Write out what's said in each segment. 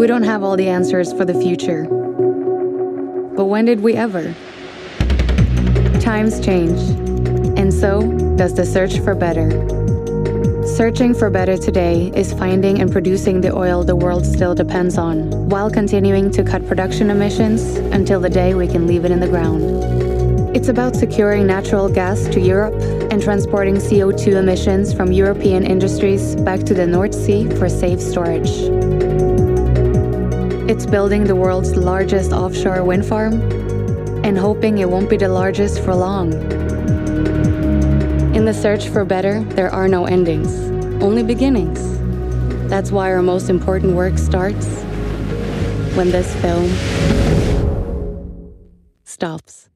We don't have all the answers for the future, but when did we ever? Times change, and so does the search for better. Searching for better today is finding and producing the oil the world still depends on, while continuing to cut production emissions until the day we can leave it in the ground. It's about securing natural gas to Europe and transporting CO₂ emissions from European industries back to the North Sea for safe storage. It's building the world's largest offshore wind farm and hoping it won't be the largest for long. In the search for better, there are no endings, only beginnings. That's why our most important work starts when this film stops.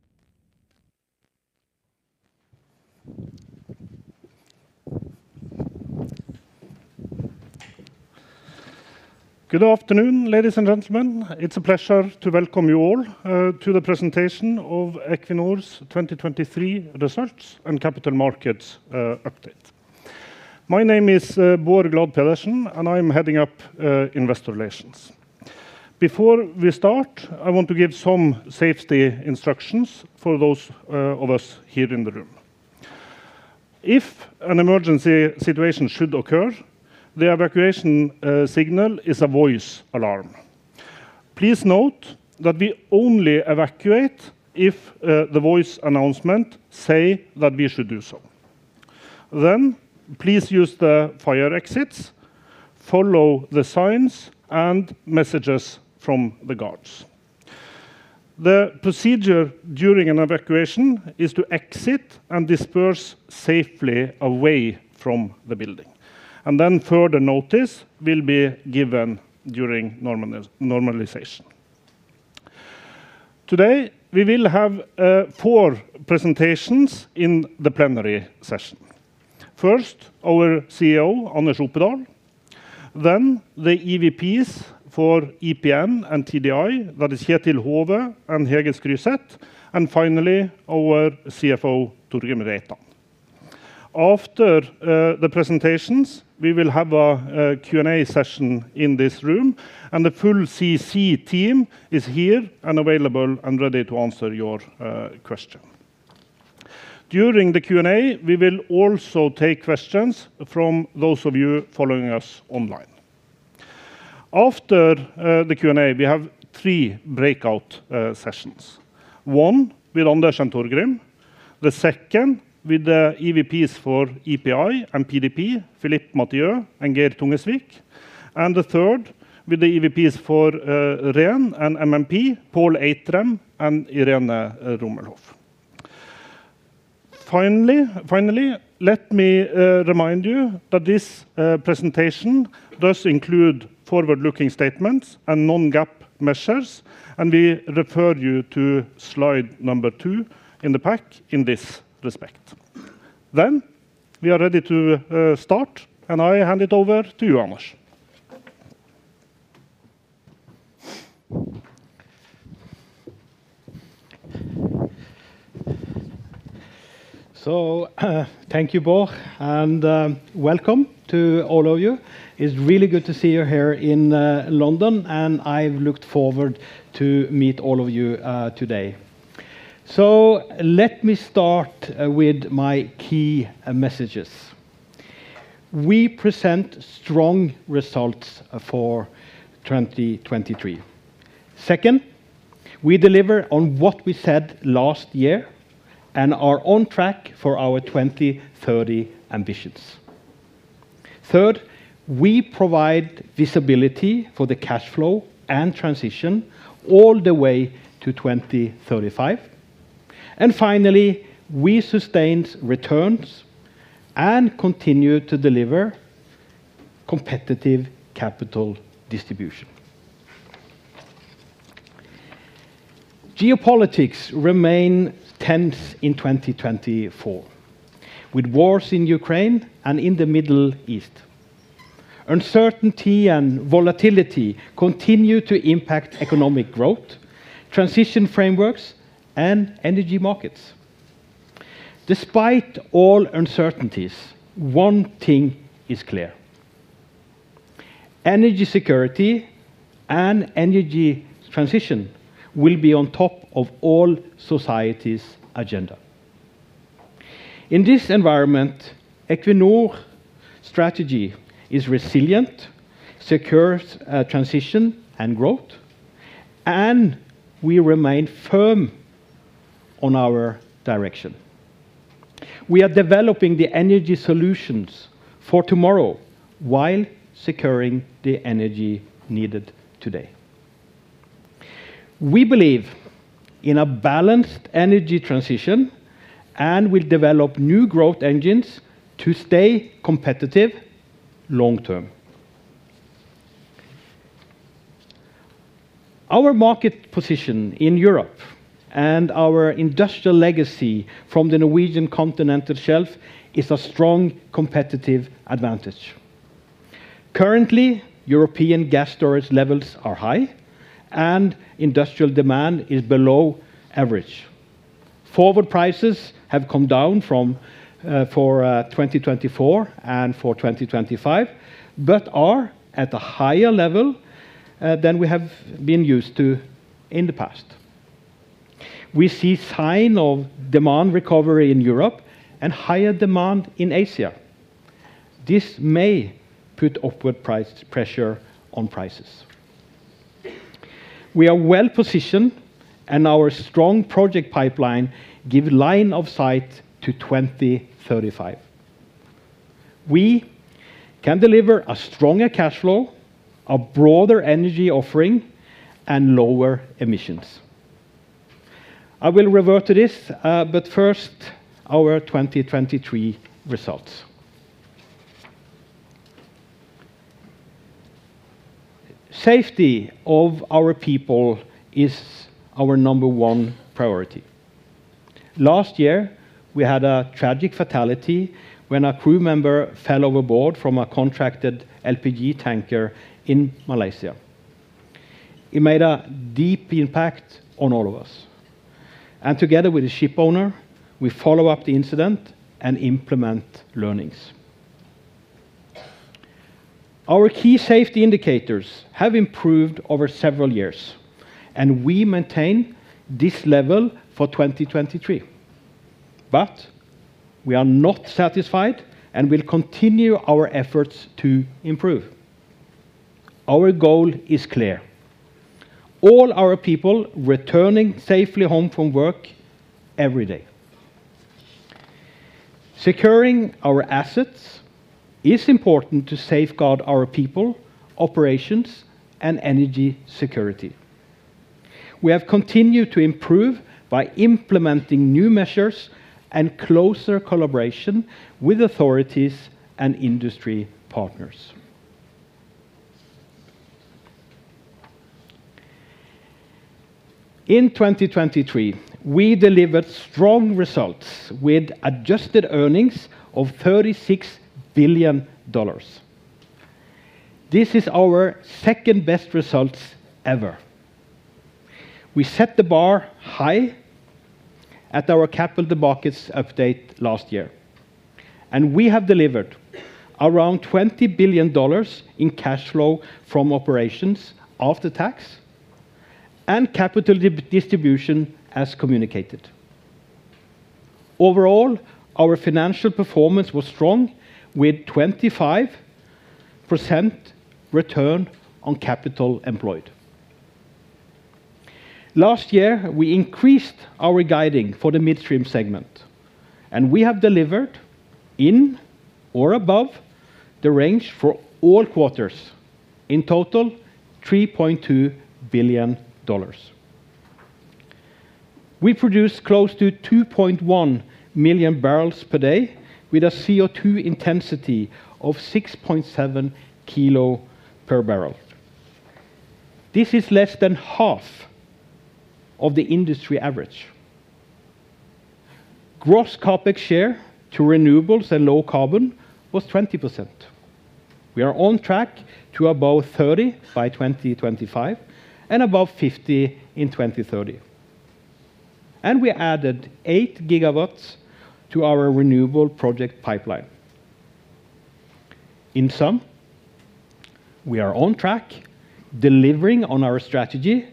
Good afternoon, ladies and gentlemen. It's a pleasure to welcome you all to the presentation of Equinor's 2023 results and capital markets update. My name is Bård Glad Pedersen, and I'm heading up Investor Relations. Before we start, I want to give some safety instructions for those of us here in the room. If an emergency situation should occur, the evacuation signal is a voice alarm. Please note that we only evacuate if the voice announcement say that we should do so. Then please use the fire exits, follow the signs and messages from the guards. The procedure during an evacuation is to exit and disperse safely away from the building, and then further notice will be given during normalization. Today, we will have four presentations in the plenary session. First, our CEO, Anders Opedal, then the EVPs for EPN and TDI, that is, Kjetil Hove and Hege Skryseth, and finally, our CFO, Torgrim Reitan. After the presentations, we will have a Q&A session in this room, and the full CEC team is here and available and ready to answer your question. During the Q&A, we will also take questions from those of you following us online. After the Q&A, we have three breakout sessions. One with Anders and Torgrim, the second with the EVPs for EPI and PDP, Philippe Mathieu and Geir Tungesvik, and the third with the EVPs for REN and MMP, Pål Eitrheim and Irene Rummelhoff. Finally, let me remind you that this presentation does include forward-looking statements and Non-GAAP measures, and we refer you to slide number two in the pack in this respect. Then we are ready to start, and I hand it over to you, Anders. So thank you, Bård, and welcome to all of you. It's really good to see you here in London, and I've looked forward to meet all of you today. So let me start with my key messages. We present strong results for 2023. Second, we deliver on what we said last year and are on track for our 2030 ambitions. Third, we provide visibility for the cash flow and transition all the way to 2035. And finally, we sustained returns and continued to deliver competitive capital distribution. Geopolitics remain tense in 2024, with wars in Ukraine and in the Middle East. Uncertainty and volatility continue to impact economic growth, transition frameworks, and energy markets. Despite all uncertainties, one thing is clear: energy security and energy transition will be on top of all society's agenda. In this environment, Equinor strategy is resilient, secures transition and growth, and we remain firm on our direction. We are developing the energy solutions for tomorrow while securing the energy needed today. We believe in a balanced energy transition and will develop new growth engines to stay competitive long term. Our market position in Europe and our industrial legacy from the Norwegian Continental Shelf is a strong competitive advantage. Currently, European gas storage levels are high, and industrial demand is below average. Forward prices have come down for 2024 and for 2025, but are at a higher level than we have been used to in the past. We see sign of demand recovery in Europe and higher demand in Asia. This may put upward price pressure on prices. We are well positioned, and our strong project pipeline give line of sight to 2035. We can deliver a stronger cash flow, a broader energy offering, and lower emissions. I will revert to this, but first, our 2023 results. Safety of our people is our number one priority. Last year, we had a tragic fatality when a crew member fell overboard from a contracted LPG tanker in Malaysia. It made a deep impact on all of us, and together with the ship owner, we follow up the incident and implement learnings. Our key safety indicators have improved over several years, and we maintain this level for 2023, but we are not satisfied and will continue our efforts to improve. Our goal is clear: all our people returning safely home from work every day. Securing our assets is important to safeguard our people, operations, and energy security. We have continued to improve by implementing new measures and closer collaboration with authorities and industry partners. In 2023, we delivered strong results with adjusted earnings of $36 billion. This is our second-best results ever. We set the bar high at our capital markets update last year, and we have delivered around $20 billion in cash flow from operations after tax, and capital distribution as communicated. Overall, our financial performance was strong with 25% return on capital employed. Last year, we increased our guidance for the midstream segment, and we have delivered in or above the range for all quarters, in total, $3.2 billion. We produce close to 2.1 million barrels per day with a CO₂ intensity of 6.7 kilo per barrel. This is less than half of the industry average. Gross CapEx share to renewables and low carbon was 20%. We are on track to above 30 by 2025 and above 50 in 2030. We added 8 gigawatts to our renewable project pipeline. In sum, we are on track, delivering on our strategy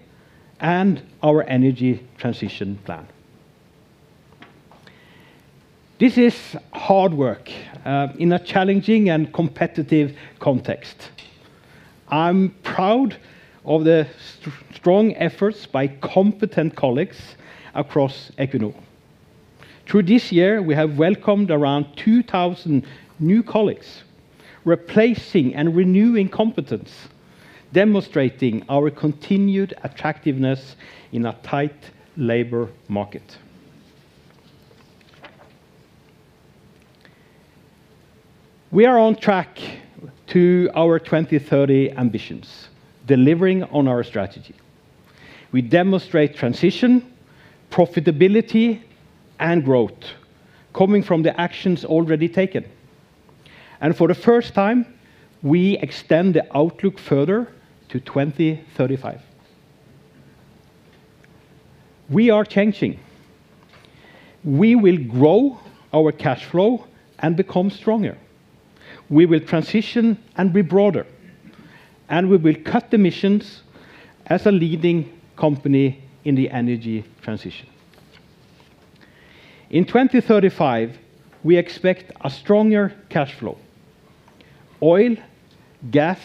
and our energy transition plan. This is hard work in a challenging and competitive context. I'm proud of the strong efforts by competent colleagues across Equinor. Through this year, we have welcomed around 2,000 new colleagues, replacing and renewing competence, demonstrating our continued attractiveness in a tight labor market. We are on track to our 2030 ambitions, delivering on our strategy. We demonstrate transition, profitability, and growth coming from the actions already taken, and for the first time, we extend the outlook further to 2035. We are changing. We will grow our cash flow and become stronger. We will transition and be broader, and we will cut emissions as a leading company in the energy transition. In 2035, we expect a stronger cash flow. Oil, gas,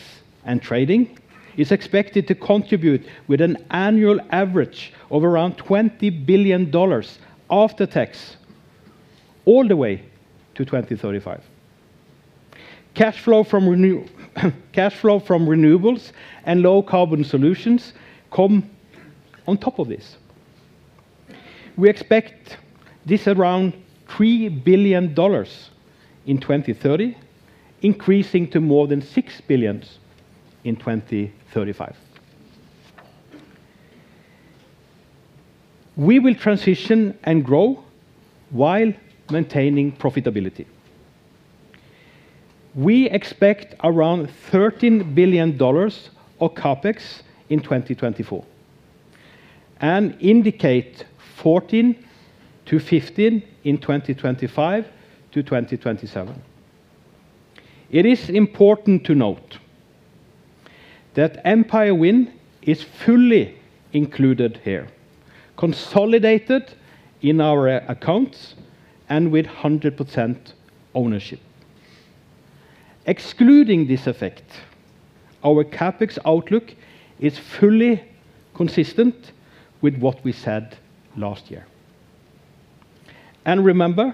and trading is expected to contribute with an annual average of around $20 billion after tax all the way to 2035. Cash flow from renewables and low-carbon solutions come on top of this. We expect this around $3 billion in 2030, increasing to more than $6 billion in 2035. We will transition and grow while maintaining profitability. We expect around $13 billion of CapEx in 2024, and indicate $14 billion-$15 billlion in 2025-2027. It is important to note that Empire Wind is fully included here, consolidated in our accounts and with 100% ownership. Excluding this effect, our CapEx outlook is fully consistent with what we said last year. And remember,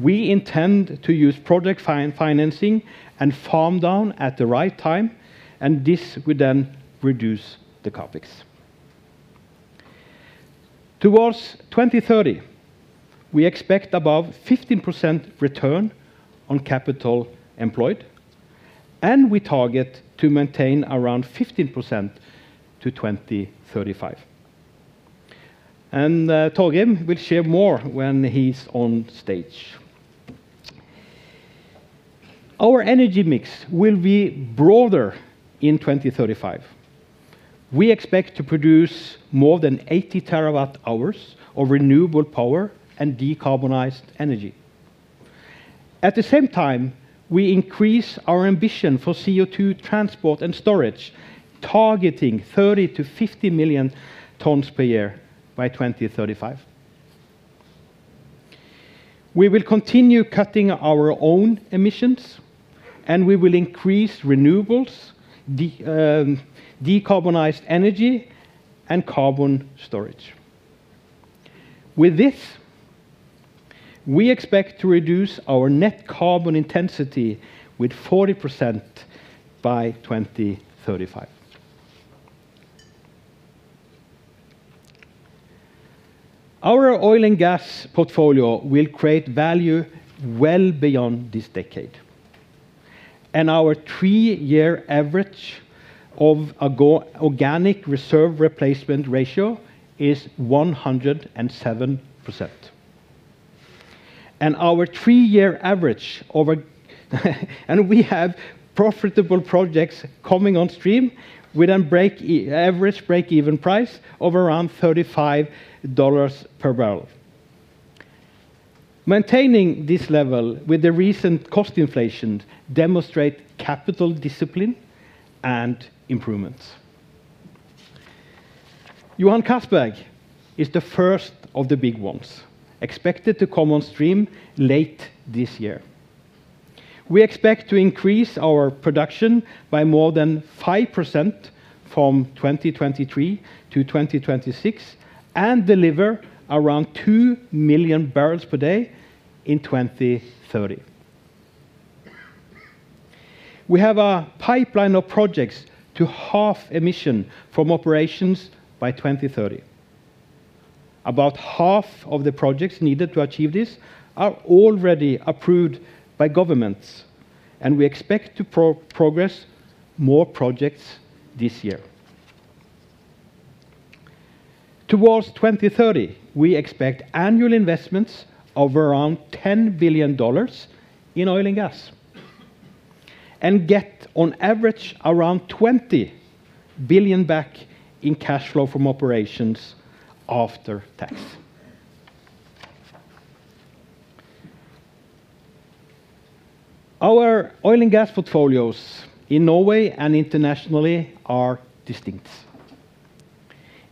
we intend to use project financing and farm down at the right time, and this would then reduce the CapEx. Towards 2030, we expect above 15% return on capital employed, and we target to maintain around 15% to 2035. And, Torgrim will share more when he's on stage. Our energy mix will be broader in 2035. We expect to produce more than 80 TWh of renewable power and decarbonized energy. At the same time, we increase our ambition for CO₂ transport and storage, targeting 30 million tons-50 million tons per year by 2035. We will continue cutting our own emissions, and we will increase renewables, decarbonized energy, and carbon storage. With this, we expect to reduce our net carbon intensity with 40% by 2035. Our oil and gas portfolio will create value well beyond this decade, and our three-year average of organic reserve replacement ratio is 107%. And we have profitable projects coming on stream with an average break-even price of around $35 per barrel. Maintaining this level with the recent cost inflation demonstrate capital discipline and improvements. Johan Castberg is the first of the big ones, expected to come on stream late this year. We expect to increase our production by more than 5% from 2023 to 2026 and deliver around 2 million barrels per day in 2030. We have a pipeline of projects to halve emission from operations by 2030. About half of the projects needed to achieve this are already approved by governments, and we expect to progress more projects this year. Towards 2030, we expect annual investments of around $10 billion in oil and gas, and get on average around $20 billion back in cash flow from operations after tax. Our oil and gas portfolios in Norway and internationally are distinct.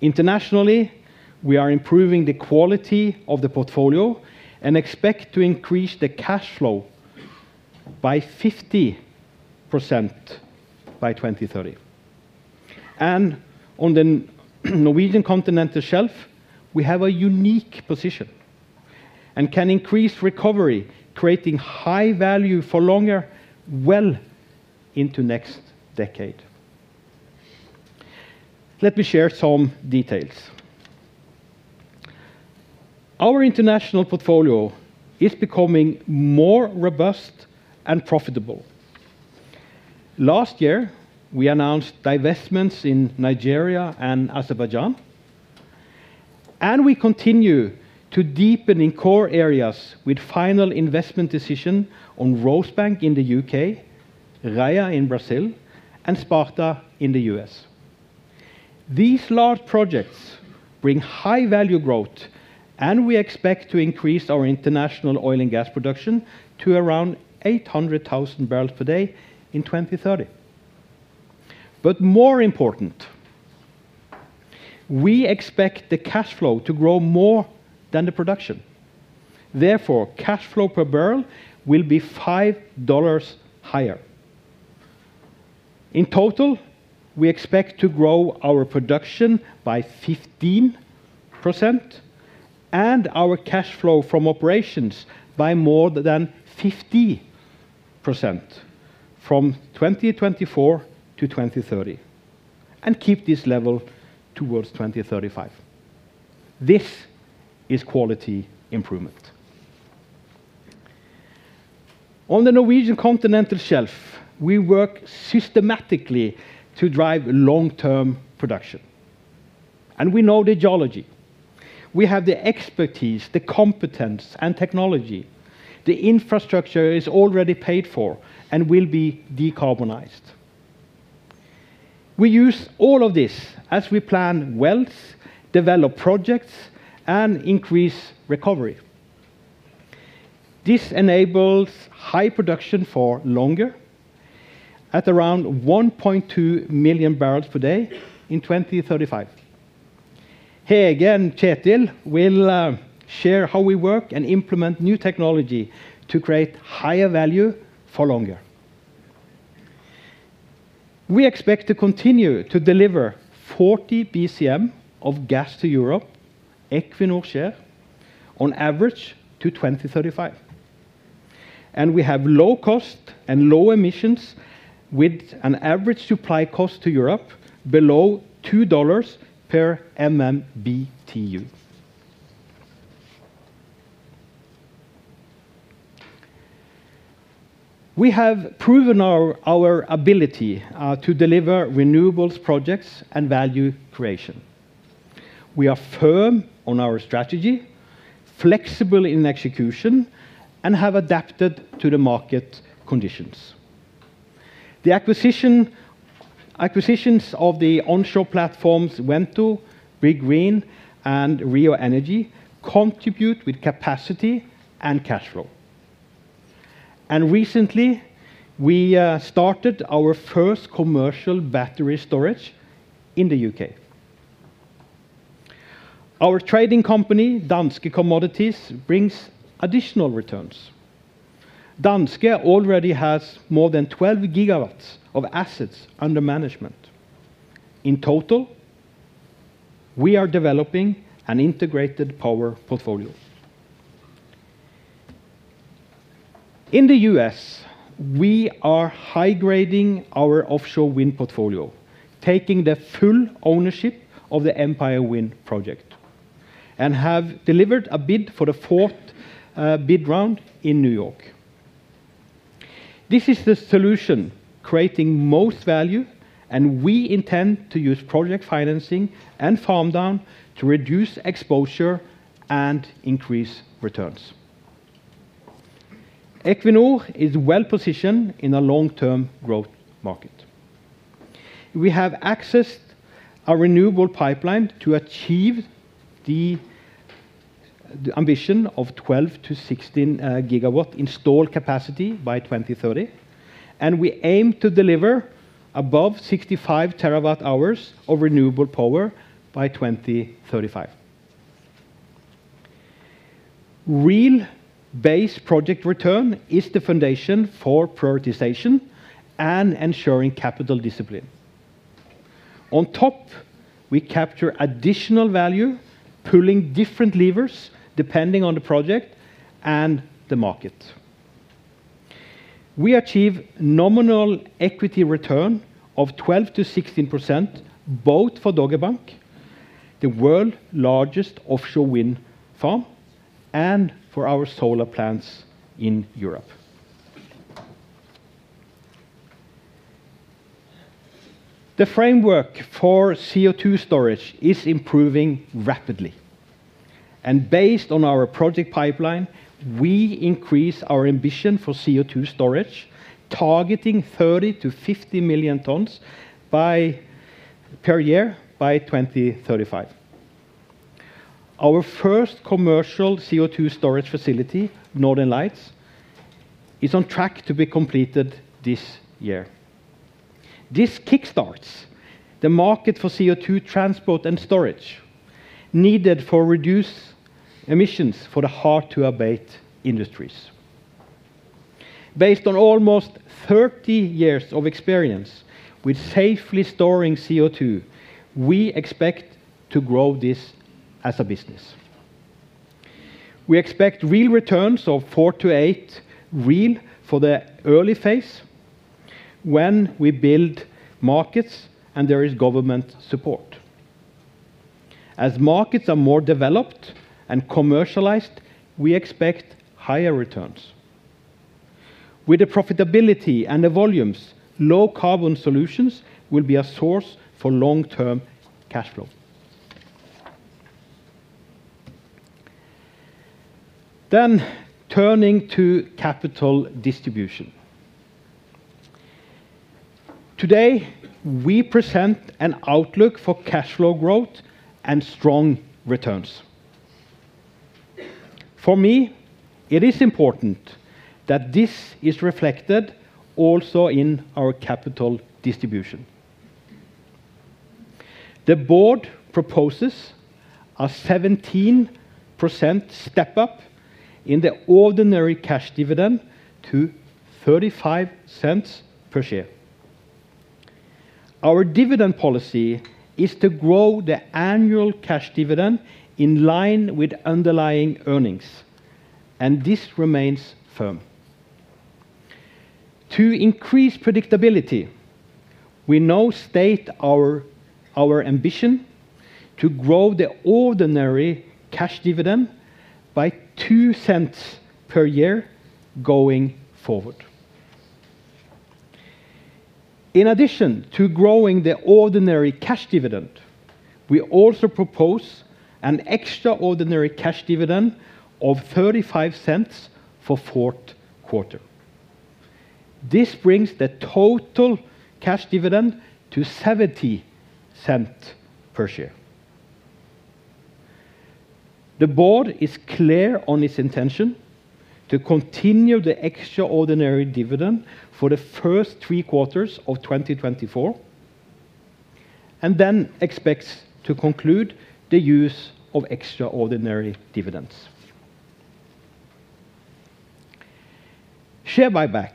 Internationally, we are improving the quality of the portfolio and expect to increase the cash flow by 50% by 2030. On the Norwegian Continental Shelf, we have a unique position and can increase recovery, creating high value for longer, well into next decade. Let me share some details. Our international portfolio is becoming more robust and profitable. Last year, we announced divestments in Nigeria and Azerbaijan, and we continue to deepen in core areas with final investment decision on Rosebank in the U.K., Raia in Brazil, and Sparta in the U.S. These large projects bring high value growth, and we expect to increase our international oil and gas production to around 800,000 barrels per day in 2030. But more important, we expect the cash flow to grow more than the production. Therefore, cash flow per barrel will be $5 higher. In total, we expect to grow our production by 15% and our cash flow from operations by more than 50% from 2024 to 2030, and keep this level towards 2035. This is quality improvement. On the Norwegian Continental Shelf, we work systematically to drive long-term production. And we know the geology. We have the expertise, the competence, and technology. The infrastructure is already paid for and will be decarbonized. We use all of this as we plan wells, develop projects, and increase recovery. This enables high production for longer at around 1.2 million barrels per day in 2035. Hege and Kjetil will share how we work and implement new technology to create higher value for longer. We expect to continue to deliver 40 BCM of gas to Europe, Equinor share, on average to 2035. And we have low cost and low emissions, with an average supply cost to Europe below $2 per MMBtu. We have proven our ability to deliver renewables projects and value creation. We are firm on our strategy, flexible in execution, and have adapted to the market conditions. The acquisitions of the onshore platforms Wento, BeGreen, and Rio Energy contribute with capacity and cash flow. Recently, we started our first commercial battery storage in the U.K. Our trading company, Danske Commodities, brings additional returns. Danske already has more than 12 gigawatts of assets under management. In total, we are developing an integrated power portfolio. In the U.S., we are high-grading our offshore wind portfolio, taking the full ownership of the Empire Wind project, and have delivered a bid for the fourth bid round in New York. This is the solution creating most value, and we intend to use project financing and farm down to reduce exposure and increase returns. Equinor is well positioned in a long-term growth market. We have accessed a renewable pipeline to achieve the ambition of 12-16 GW installed capacity by 2030, and we aim to deliver above 65 TWh of renewable power by 2035. Real base project return is the foundation for prioritization and ensuring capital discipline. On top, we capture additional value, pulling different levers depending on the project and the market. We achieve nominal equity return of 12%-16%, both for Dogger Bank, the world's largest offshore wind farm, and for our solar plants in Europe. The framework for CO₂ storage is improving rapidly, and based on our project pipeline, we increase our ambition for CO₂ storage, targeting 30 million-50 million tons per year by 2035. Our first commercial CO₂ storage facility, Northern Lights, is on track to be completed this year. This kick-starts the market for CO₂ transport and storage needed for reduced emissions for the hard-to-abate industries. Based on almost 30 years of experience with safely storing CO₂, we expect to grow this as a business. We expect real returns of four to eight real for the early phase when we build markets and there is government support. As markets are more developed and commercialized, we expect higher returns. With the profitability and the volumes, low-carbon solutions will be a source for long-term cash flow. Then, turning to capital distribution. Today, we present an outlook for cash flow growth and strong returns. For me, it is important that this is reflected also in our capital distribution. The board proposes a 17% step-up in the ordinary cash dividend to $0.35 per share. Our dividend policy is to grow the annual cash dividend in line with underlying earnings, and this remains firm. To increase predictability, we now state our ambition to grow the ordinary cash dividend by $0.02 per year going forward. In addition to growing the ordinary cash dividend, we also propose an extraordinary cash dividend of $0.35 for fourth quarter. This brings the total cash dividend to $0.70 per share. The board is clear on its intention to continue the extraordinary dividend for the first three quarters of 2024, and then expects to conclude the use of extraordinary dividends. Share buyback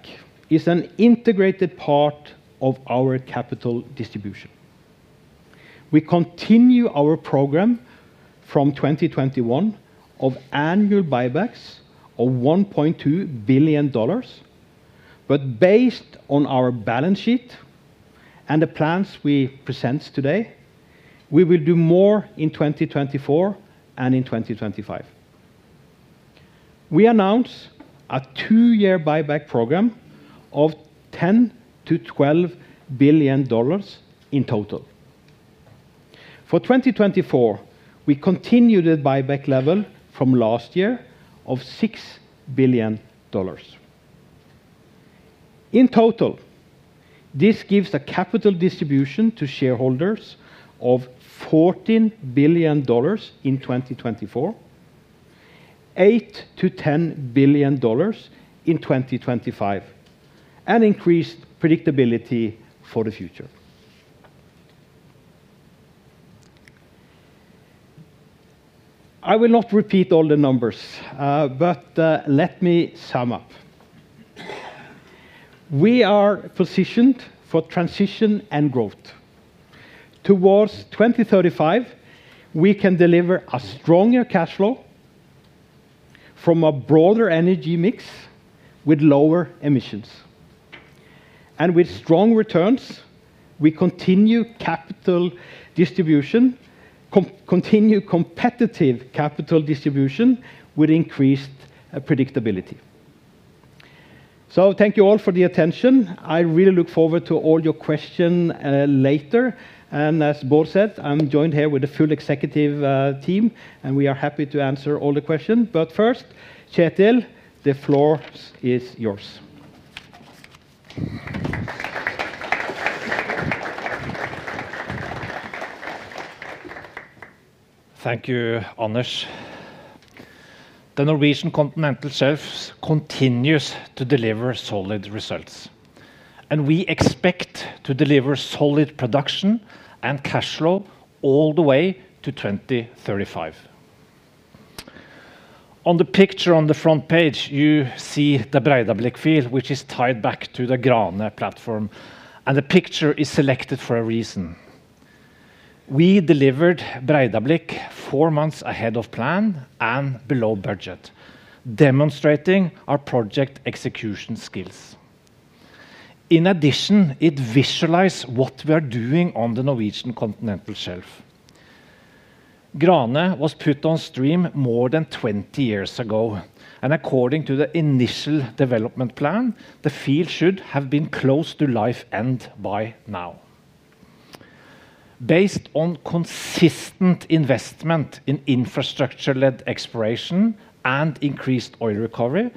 is an integrated part of our capital distribution. We continue our program from 2021 of annual buybacks of $1.2 billion, but based on our balance sheet and the plans we present today, we will do more in 2024 and in 2025. We announce a two-year buyback program of $10 billion-$12 billion in total. For 2024, we continue the buyback level from last year of $6 billion. In total, this gives the capital distribution to shareholders of $14 billion in 2024, $8 billion-$10 billion in 2025, and increased predictability for the future. I will not repeat all the numbers, but, let me sum up. We are positioned for transition and growth. Towards 2035, we can deliver a stronger cash flow from a broader energy mix with lower emissions. And with strong returns, we continue capital distribution, continue competitive capital distribution with increased predictability. So thank you all for the attention. I really look forward to all your question later. And as Bård said, I'm joined here with the full executive team, and we are happy to answer all the question. But first, Kjetil, the floor is yours. Thank you, Anders. The Norwegian Continental Shelf continues to deliver solid results, and we expect to deliver solid production and cash flow all the way to 2035. On the picture on the front page, you see the Breidablikk field, which is tied back to the Grane platform, and the picture is selected for a reason. We delivered Breidablikk four months ahead of plan and below budget, demonstrating our project execution skills. In addition, it visualize what we are doing on the Norwegian Continental Shelf. Grane was put on stream more than 20 years ago, and according to the initial development plan, the field should have been close to life end by now. Based on consistent investment in infrastructure-led exploration and increased oil recovery,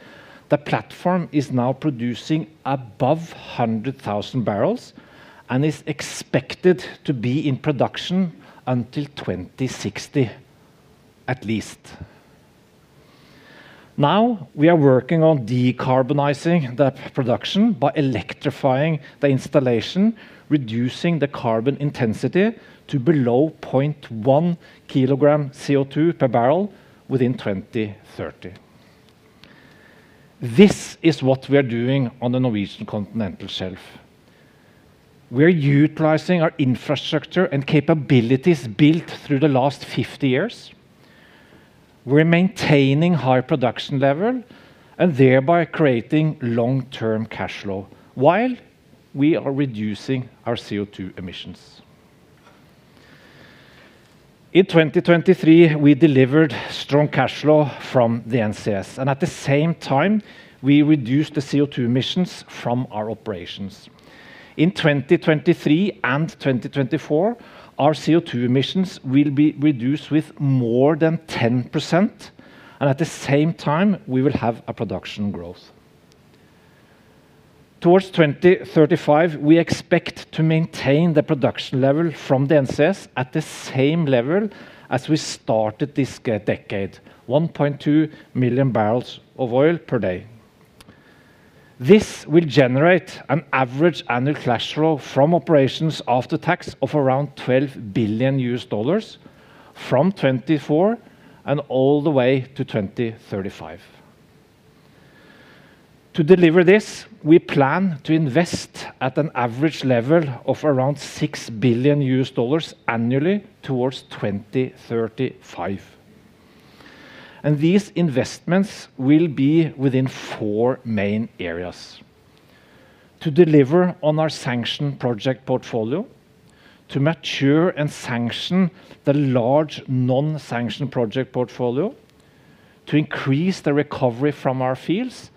the platform is now producing above 100,000 barrels and is expected to be in production until 2060, at least. Now, we are working on decarbonizing the production by electrifying the installation, reducing the carbon intensity to below 0.1 kilogram CO2 per barrel within 2030. This is what we are doing on the Norwegian Continental Shelf. We're utilizing our infrastructure and capabilities built through the last 50 years. We're maintaining high production level and thereby creating long-term cash flow while we are reducing our CO2 emissions. In 2023, we delivered strong cash flow from the NCS, and at the same time, we reduced the CO2 emissions from our operations. In 2023 and 2024, our CO2 emissions will be reduced with more than 10%, and at the same time, we will have a production growth. Towards 2035, we expect to maintain the production level from the NCS at the same level as we started this decade, 1.2 million barrels of oil per day. This will generate an average annual cash flow from operations after tax of around $12 billion from 2024 and all the way to 2035. To deliver this, we plan to invest at an average level of around $6 billion annually towards 2035, and these investments will be within four main areas: to deliver on our sanctioned project portfolio, to mature and sanction the large non-sanctioned project portfolio, to increase the recovery from our fields,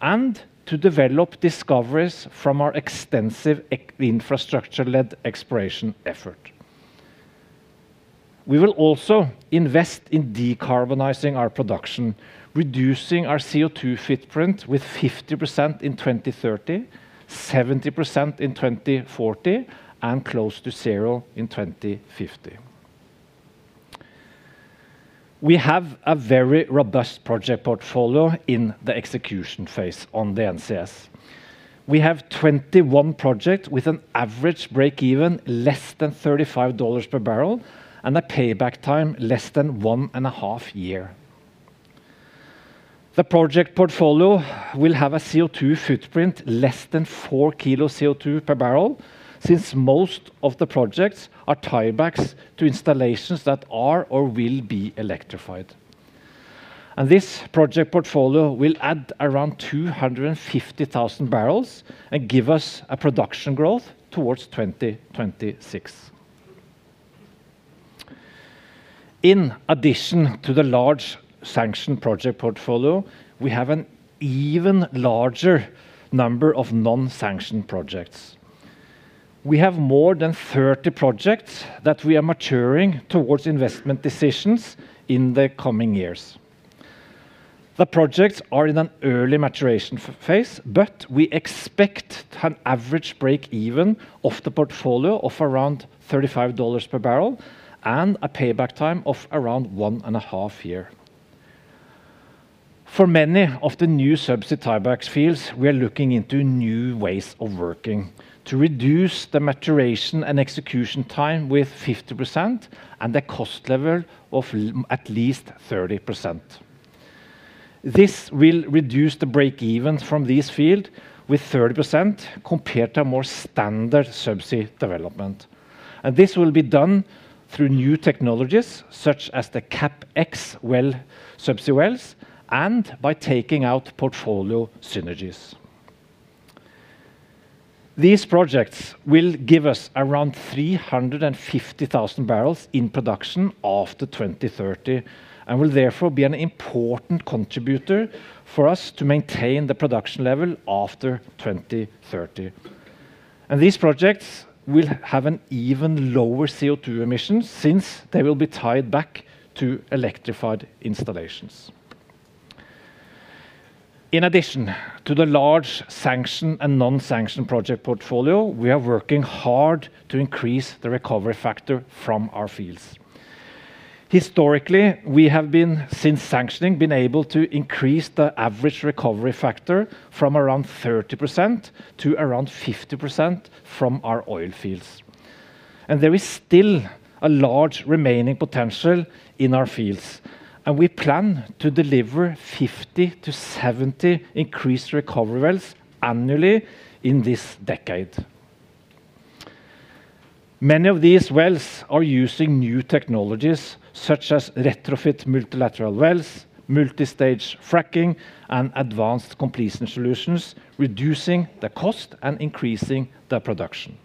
and to develop discoveries from our extensive infrastructure-led exploration effort. We will also invest in decarbonizing our production, reducing our CO₂ footprint with 50% in 2030, 70% in 2040, and close to zero in 2050. We have a very robust project portfolio in the execution phase on the NCS. We have 21 projects with an average break-even less than $35 per barrel and a payback time less than 1.5 years. The project portfolio will have a CO₂ footprint less than 4 kg CO₂ per barrel, since most of the projects are tiebacks to installations that are or will be electrified. This project portfolio will add around 250,000 barrels and give us a production growth towards 2026. In addition to the large sanctioned project portfolio, we have an even larger number of non-sanctioned projects. We have more than 30 projects that we are maturing towards investment decisions in the coming years. The projects are in an early maturation phase, but we expect an average break-even of the portfolio of around $35 per barrel and a payback time of around 1.5 years. For many of the new subsea tieback fields, we are looking into new ways of working to reduce the maturation and execution time with 50% and the cost level of at least 30%. This will reduce the break-even from this field with 30%, compared to a more standard subsea development, and this will be done through new technologies such as the CapEx well, subsea wells, and by taking out portfolio synergies. These projects will give us around 350,000 barrels in production after 2030, and will therefore be an important contributor for us to maintain the production level after 2030. These projects will have an even lower CO₂ emissions, since they will be tied back to electrified installations. In addition to the large sanctioned and non-sanctioned project portfolio, we are working hard to increase the recovery factor from our fields. Historically, we have been, since sanctioning, able to increase the average recovery factor from around 30% to around 50% from our oil fields, and there is still a large remaining potential in our fields, and we plan to deliver 50-70 increased recovery wells annually in this decade. Many of these wells are using new technologies, such as retrofit multilateral wells, multi-stage fracking, and advanced completion solutions, reducing the cost and increasing the production.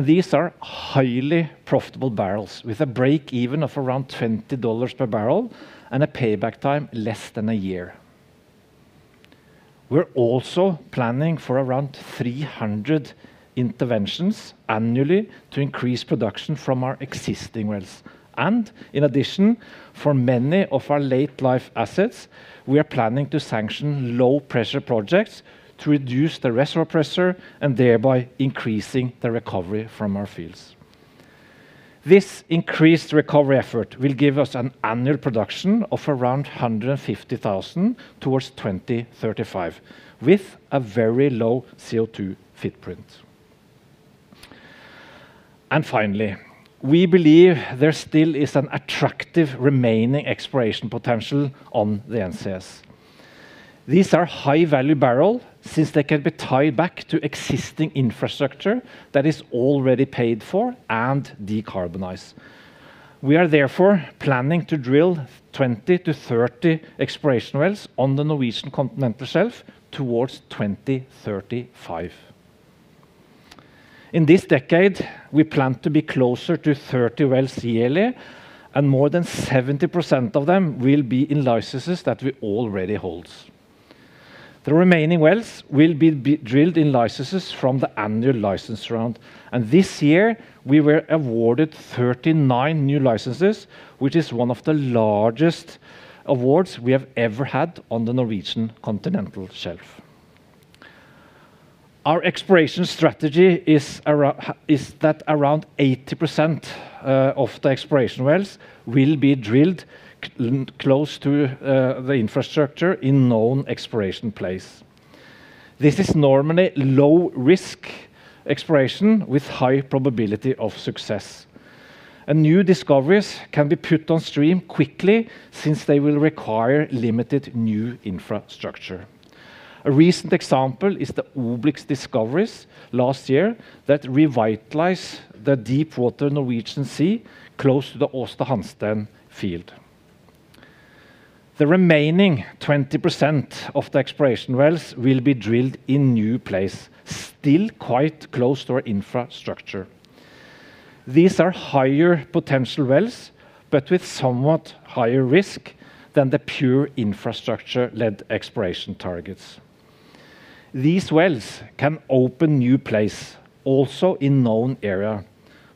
These are highly profitable barrels, with a break-even of around $20 per barrel and a payback time less than a year. We're also planning for around 300 interventions annually to increase production from our existing wells. In addition, for many of our late life assets, we are planning to sanction low-pressure projects to reduce the reservoir pressure and thereby increasing the recovery from our fields. This increased recovery effort will give us an annual production of around 150,000 toward 2035, with a very low CO₂ footprint. Finally, we believe there still is an attractive remaining exploration potential on the NCS. These are high-value barrels, since they can be tied back to existing infrastructure that is already paid for and decarbonized. We are therefore planning to drill 20-30 exploration wells on the Norwegian Continental Shelf towards 2035. In this decade, we plan to be closer to 30 wells yearly, and more than 70% of them will be in licenses that we already hold. The remaining wells will be drilled in licenses from the annual license round, and this year we were awarded 39 new licenses, which is one of the largest awards we have ever had on the Norwegian Continental Shelf. Our exploration strategy is that around 80% of the exploration wells will be drilled close to the infrastructure in known exploration plays. This is normally low-risk exploration with high probability of success, and new discoveries can be put on stream quickly since they will require limited new infrastructure. A recent example is the Obelix discoveries last year that revitalize the deep water Norwegian Sea, close to the Aasta Hansteen field. The remaining 20% of the exploration wells will be drilled in new plays, still quite close to our infrastructure. These are higher potential wells, but with somewhat higher risk than the pure infrastructure-led exploration targets. These wells can open new plays, also in known area,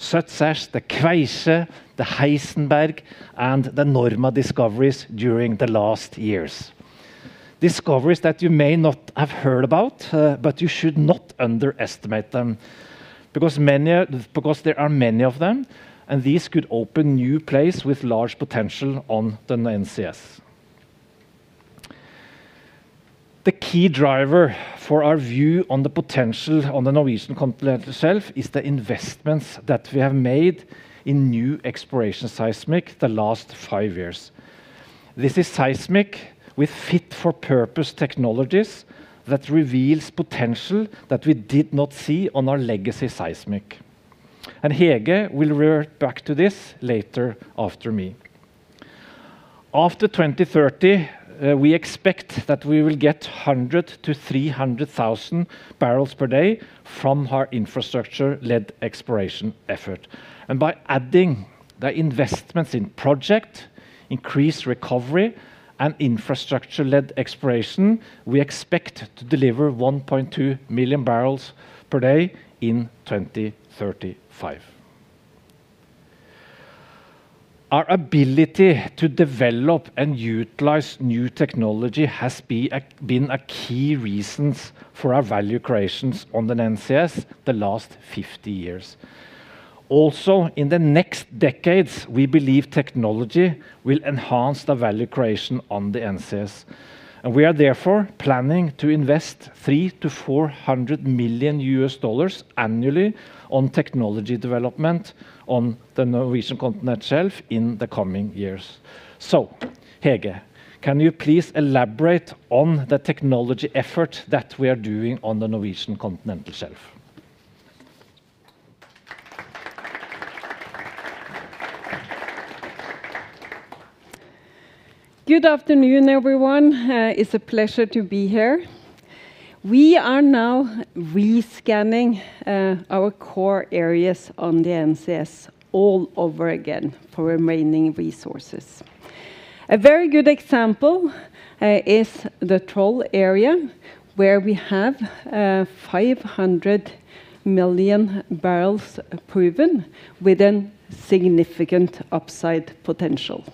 such as the Kveikje, the Heisenberg, and the Norma discoveries during the last years. Discoveries that you may not have heard about, but you should not underestimate them, because there are many of them, and these could open new plays with large potential on the NCS. The key driver for our view on the potential on the Norwegian Continental Shelf is the investments that we have made in new exploration seismic the last five years. This is seismic with fit-for-purpose technologies that reveals potential that we did not see on our legacy seismic, and Hege will revert back to this later after me. After 2030, we expect that we will get 100-300,000 barrels per day from our infrastructure-led exploration effort. By adding the investments in project, increased recovery, and infrastructure-led exploration, we expect to deliver 1.2 million barrels per day in 2035. Our ability to develop and utilize new technology has been a key reason for our value creation on the NCS the last 50 years. Also, in the next decades, we believe technology will enhance the value creation on the NCS, and we are therefore planning to invest $300 million-$400 million annually on technology development on the Norwegian Continental Shelf in the coming years. Hege, can you please elaborate on the technology effort that we are doing on the Norwegian Continental Shelf? Good afternoon, everyone. It's a pleasure to be here. We are now re-scanning our core areas on the NCS all over again for remaining resources. A very good example is the Troll area, where we have 500 million barrels proven with a significant upside potential.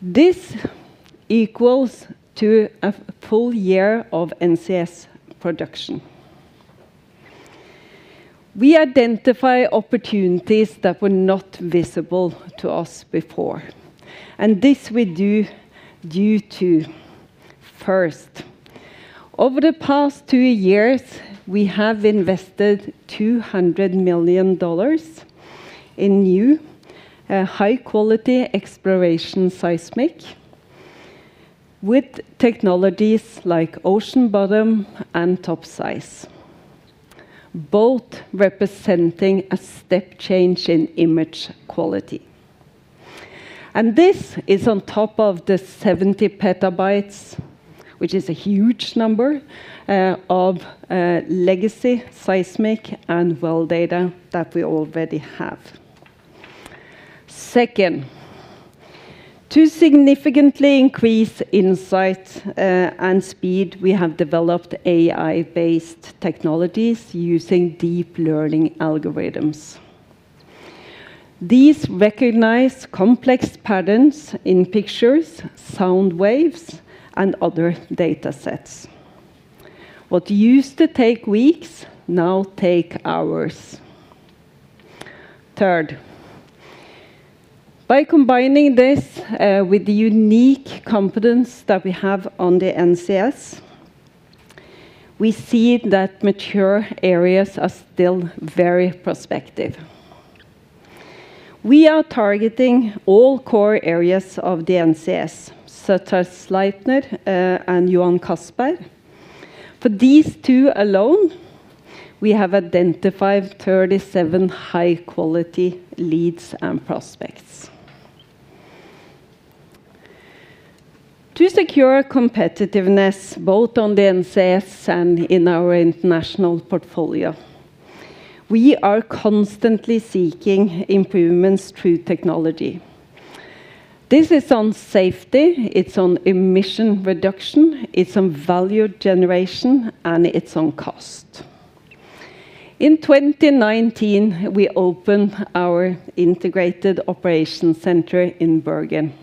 This equals to a full year of NCS production. We identify opportunities that were not visible to us before, and this we do due to, first, over the past two years, we have invested $200 million in new high-quality exploration seismic with technologies like ocean bottom and TopSeis, both representing a step change in image quality. This is on top of the 70 petabytes, which is a huge number, of legacy seismic and well data that we already have. Second, to significantly increase insight and speed, we have developed AI-based technologies using deep learning algorithms. These recognize complex patterns in pictures, sound waves, and other datasets. What used to take weeks now take hours. Third, by combining this with the unique competence that we have on the NCS, we see that mature areas are still very prospective. We are targeting all core areas of the NCS, such as Sleipner and Johan Castberg. For these two alone, we have identified 37 high-quality leads and prospects. To secure competitiveness, both on the NCS and in our international portfolio, we are constantly seeking improvements through technology. This is on safety, it's on emission reduction, it's on value generation, and it's on cost. In 2019, we opened our integrated operation center in Bergen.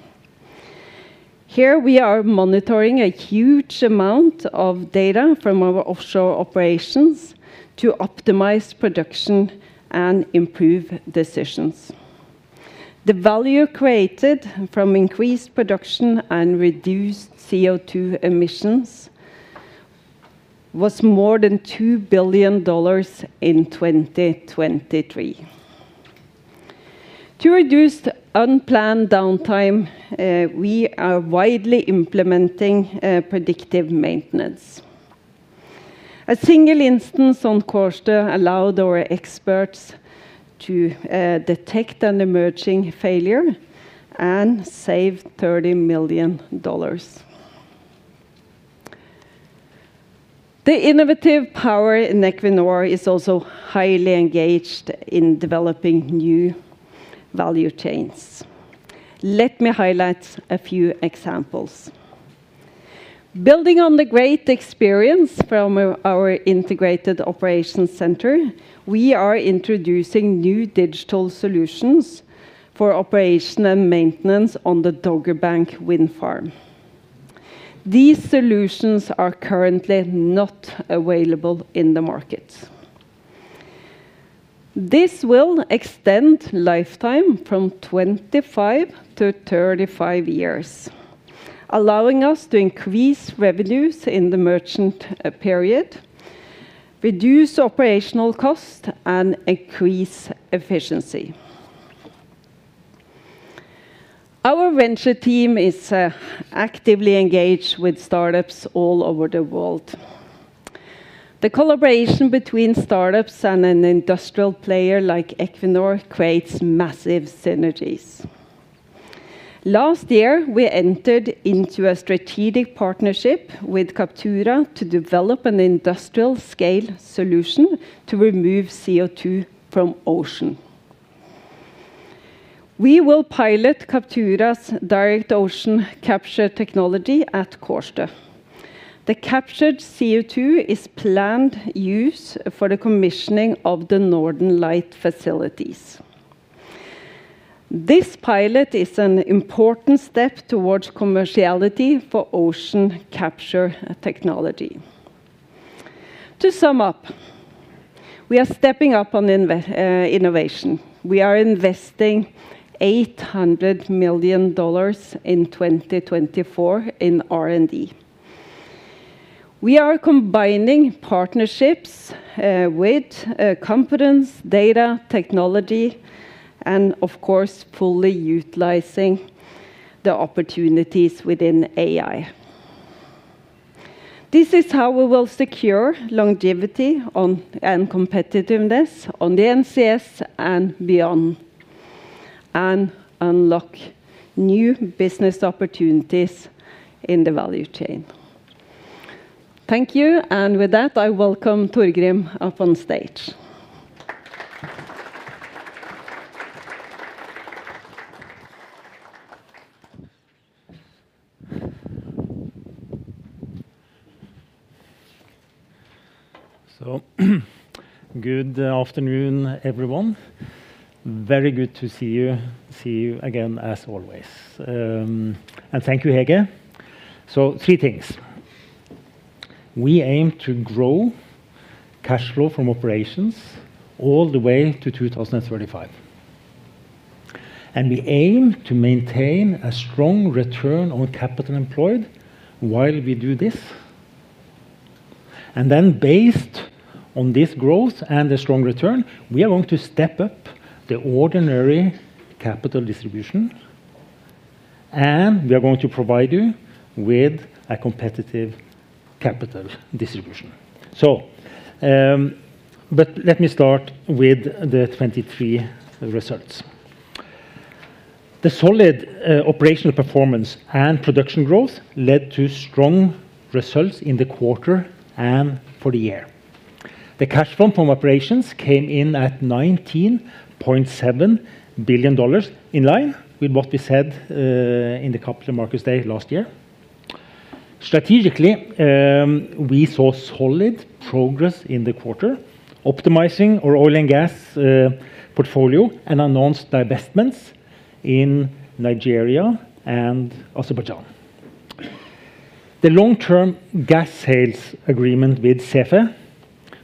Here, we are monitoring a huge amount of data from our offshore operations to optimize production and improve decisions. The value created from increased production and reduced CO₂ emissions was more than $2 billion in 2023. To reduce unplanned downtime, we are widely implementing predictive maintenance. A single instance on Kårstø allowed our experts to detect an emerging failure and save $30 million.... The innovative power in Equinor is also highly engaged in developing new value chains. Let me highlight a few examples. Building on the great experience from our integrated operations center, we are introducing new digital solutions for operation and maintenance on the Dogger Bank Wind Farm. These solutions are currently not available in the market. This will extend lifetime from 25-35 years, allowing us to increase revenues in the merchant period, reduce operational cost, and increase efficiency. Our venture team is actively engaged with startups all over the world. The collaboration between startups and an industrial player like Equinor creates massive synergies. Last year, we entered into a strategic partnership with Captura to develop an industrial-scale solution to remove CO₂ from ocean. We will pilot Captura's direct ocean capture technology at Kårstø. The captured CO₂ is planned use for the commissioning of the Northern Lights facilities. This pilot is an important step towards commerciality for ocean capture technology. To sum up, we are stepping up on innovation. We are investing $800 million in 2024 in R&D. We are combining partnerships with competence, data, technology, and of course, fully utilizing the opportunities within AI. This is how we will secure longevity on, and competitiveness on the NCS and beyond, and unlock new business opportunities in the value chain. Thank you, and with that, I welcome Torgrim up on stage. So good afternoon, everyone. Very good to see you, see you again, as always. And thank you, Hege. So three things: We aim to grow cash flow from operations all the way to 2035, and we aim to maintain a strong return on capital employed while we do this. And then based on this growth and the strong return, we are going to step up the ordinary capital distribution, and we are going to provide you with a competitive capital distribution. So, but let me start with the 2023 results. The solid, operational performance and production growth led to strong results in the quarter and for the year. The cash flow from operations came in at $19.7 billion, in line with what we said, in the capital markets day last year. Strategically, we saw solid progress in the quarter, optimizing our oil and gas portfolio, and announced divestments in Nigeria and Azerbaijan. The long-term gas sales agreement with CEFE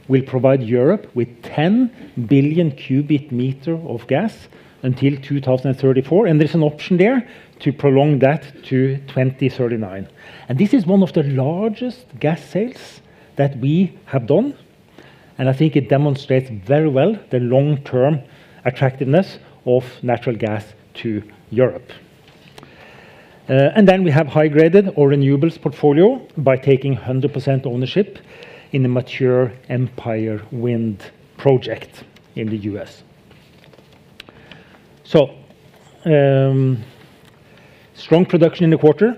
will provide Europe with 10 billion cubic meter of gas until 2034, and there's an option there to prolong that to 2039. This is one of the largest gas sales that we have done, and I think it demonstrates very well the long-term attractiveness of natural gas to Europe. Then we have high-graded our renewables portfolio by taking 100% ownership in the mature Empire Wind project in the U.S. Strong production in the quarter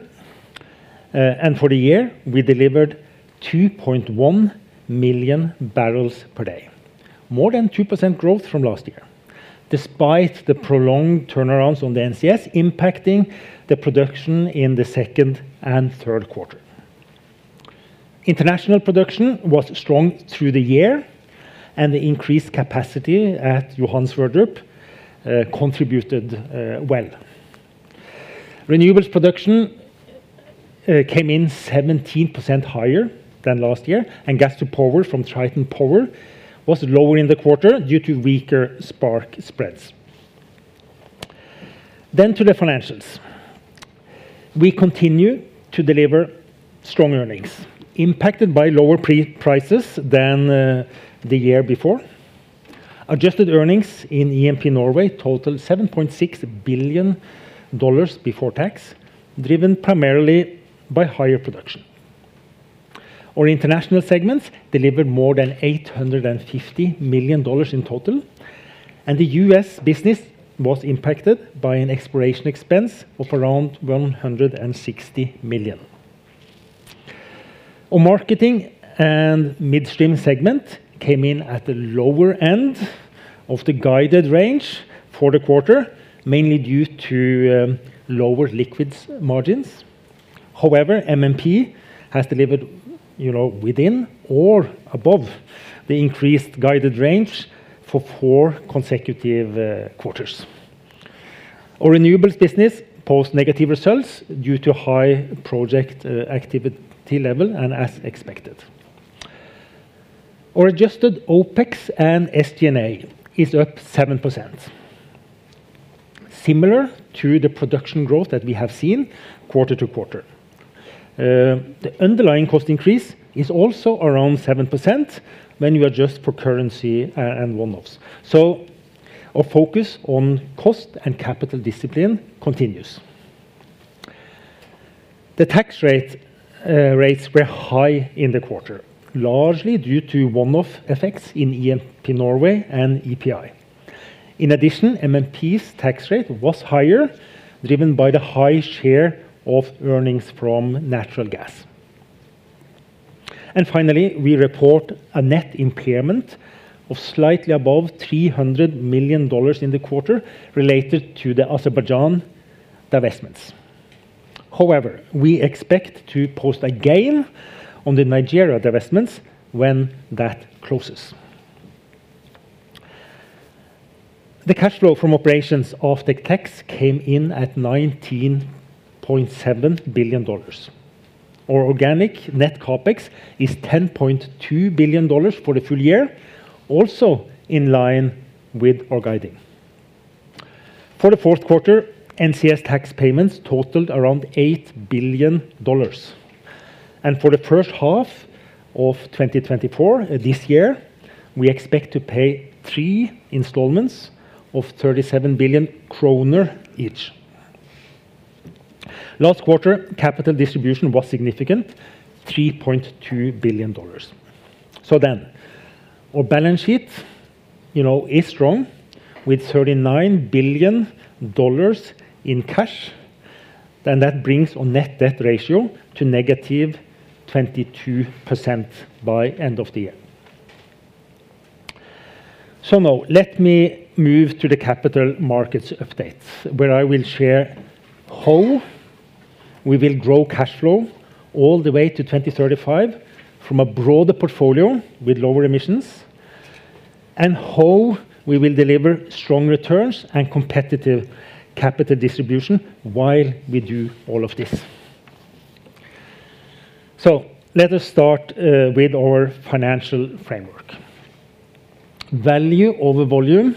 and for the year, we delivered 2.1 million barrels per day, more than 2% growth from last year, despite the prolonged turnarounds on the NCS impacting the production in the second and third quarter. International production was strong through the year, and the increased capacity at Johan Sverdrup contributed well. Renewables production came in 17% higher than last year, and gas to power from Triton Power was lower in the quarter due to weaker spark spreads. Then to the financials. We continue to deliver strong earnings, impacted by lower prices than the year before. Adjusted earnings in EPN Norway totaled $7.6 billion before tax, driven primarily by higher production. Our international segments delivered more than $850 million in total. The U.S. business was impacted by an exploration expense of around $160 million. Our marketing and midstream segment came in at the lower end of the guided range for the quarter, mainly due to lower liquids margins. However, MMP has delivered, you know, within or above the increased guided range for four consecutive quarters. Our renewables business posted negative results due to high project activity level and as expected. Our adjusted OpEx and SG&A is up 7%, similar to the production growth that we have seen quarter-to-quarter. The underlying cost increase is also around 7% when you adjust for currency and one-offs. So our focus on cost and capital discipline continues. The tax rates were high in the quarter, largely due to one-off effects in EPN Norway and EPI. In addition, MMP's tax rate was higher, driven by the high share of earnings from natural gas. And finally, we report a net impairment of slightly above $300 million in the quarter related to the Azerbaijan divestments. However, we expect to post a gain on the Nigeria divestments when that closes. The cash flow from operations after tax came in at $19.7 billion. Our organic net CapEx is $10.2 billion for the full year, also in line with our guiding. For the fourth quarter, NCS tax payments totaled around $8 billion, and for the first half of 2024, this year, we expect to pay three installments of 37 billion kroner each. Last quarter, capital distribution was significant, $3.2 billion. Our balance sheet, you know, is strong, with $39 billion in cash, and that brings our net debt ratio to -22% by end of the year. Now, let me move to the capital markets updates, where I will share how we will grow cash flow all the way to 2035 from a broader portfolio with lower emissions, and how we will deliver strong returns and competitive capital distribution while we do all of this. Let us start with our financial framework. Value over volume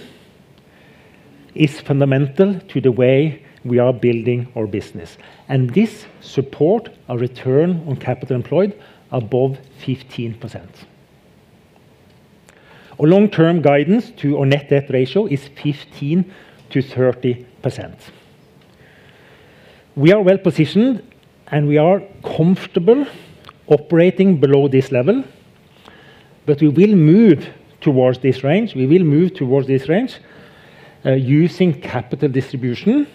is fundamental to the way we are building our business, and this support our return on capital employed above 15%. Our long-term guidance to our net debt ratio is 15%-30%. We are well positioned, and we are comfortable operating below this level, but we will move towards this range. We will move towards this range, using capital distribution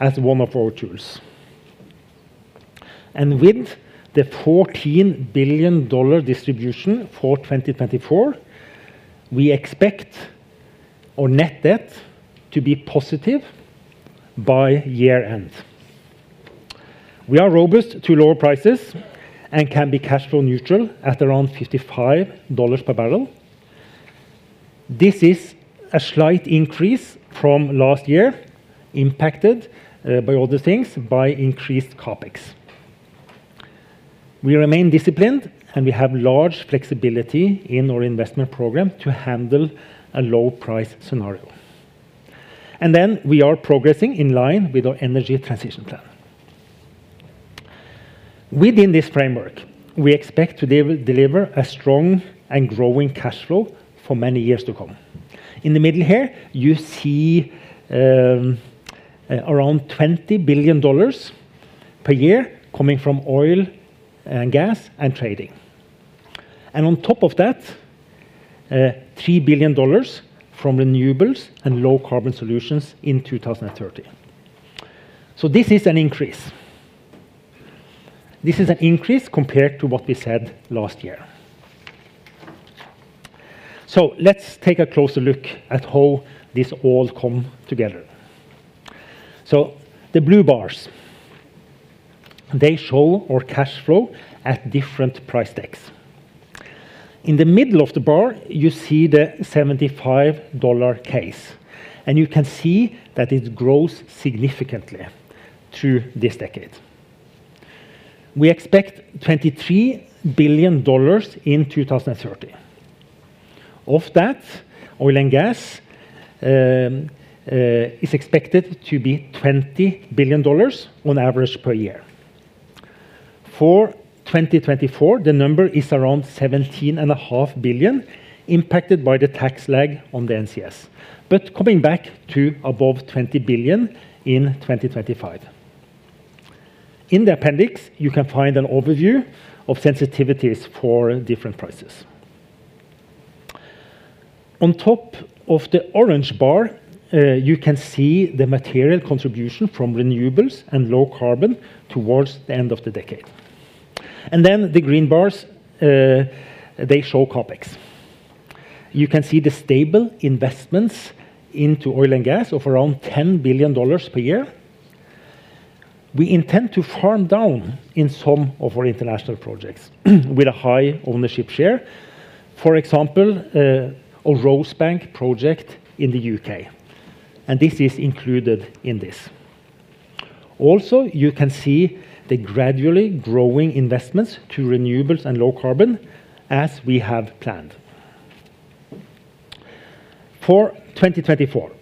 as one of our tools. With the $14 billion distribution for 2024, we expect our net debt to be positive by year-end. We are robust to lower prices and can be cash flow neutral at around $55 per barrel. This is a slight increase from last year, impacted by other things, by increased CapEx. We remain disciplined, and we have large flexibility in our investment program to handle a low-price scenario. Then we are progressing in line with our energy transition plan. Within this framework, we expect to deliver a strong and growing cash flow for many years to come. In the middle here, you see around $20 billion per year coming from oil and gas and trading. On top of that, $3 billion from renewables and low-carbon solutions in 2030. So this is an increase. This is an increase compared to what we said last year. So let's take a closer look at how this all come together. So the blue bars, they show our cash flow at different price decks. In the middle of the bar, you see the $75 case, and you can see that it grows significantly through this decade. We expect $23 billion in 2030. Of that, oil and gas is expected to be $20 billion on average per year. For 2024, the number is around $17.5 billion, impacted by the tax lag on the NCS, but coming back to above $20 billion in 2025. In the appendix, you can find an overview of sensitivities for different prices. On top of the orange bar, you can see the material contribution from renewables and low carbon towards the end of the decade. And then the green bars, they show CapEx. You can see the stable investments into oil and gas of around $10 billion per year. We intend to farm down in some of our international projects with a high ownership share. For example, a Rosebank project in the U.K., and this is included in this. Also, you can see the gradually growing investments to renewables and low carbon as we have planned. For 2024,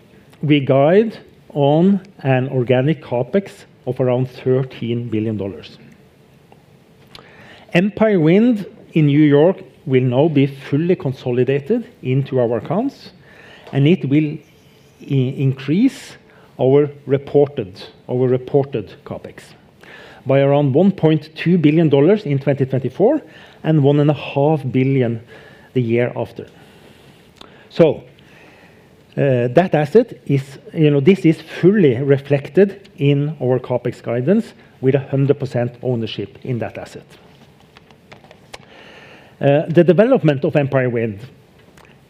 we guide on an organic CapEx of around $13 billion. Empire Wind in New York will now be fully consolidated into our accounts, and it will increase our reported, our reported CapEx by around $1.2 billion in 2024 and $1.5 billion the year after. So, that asset is, you know, this is fully reflected in our CapEx guidance with 100% ownership in that asset. The development of Empire Wind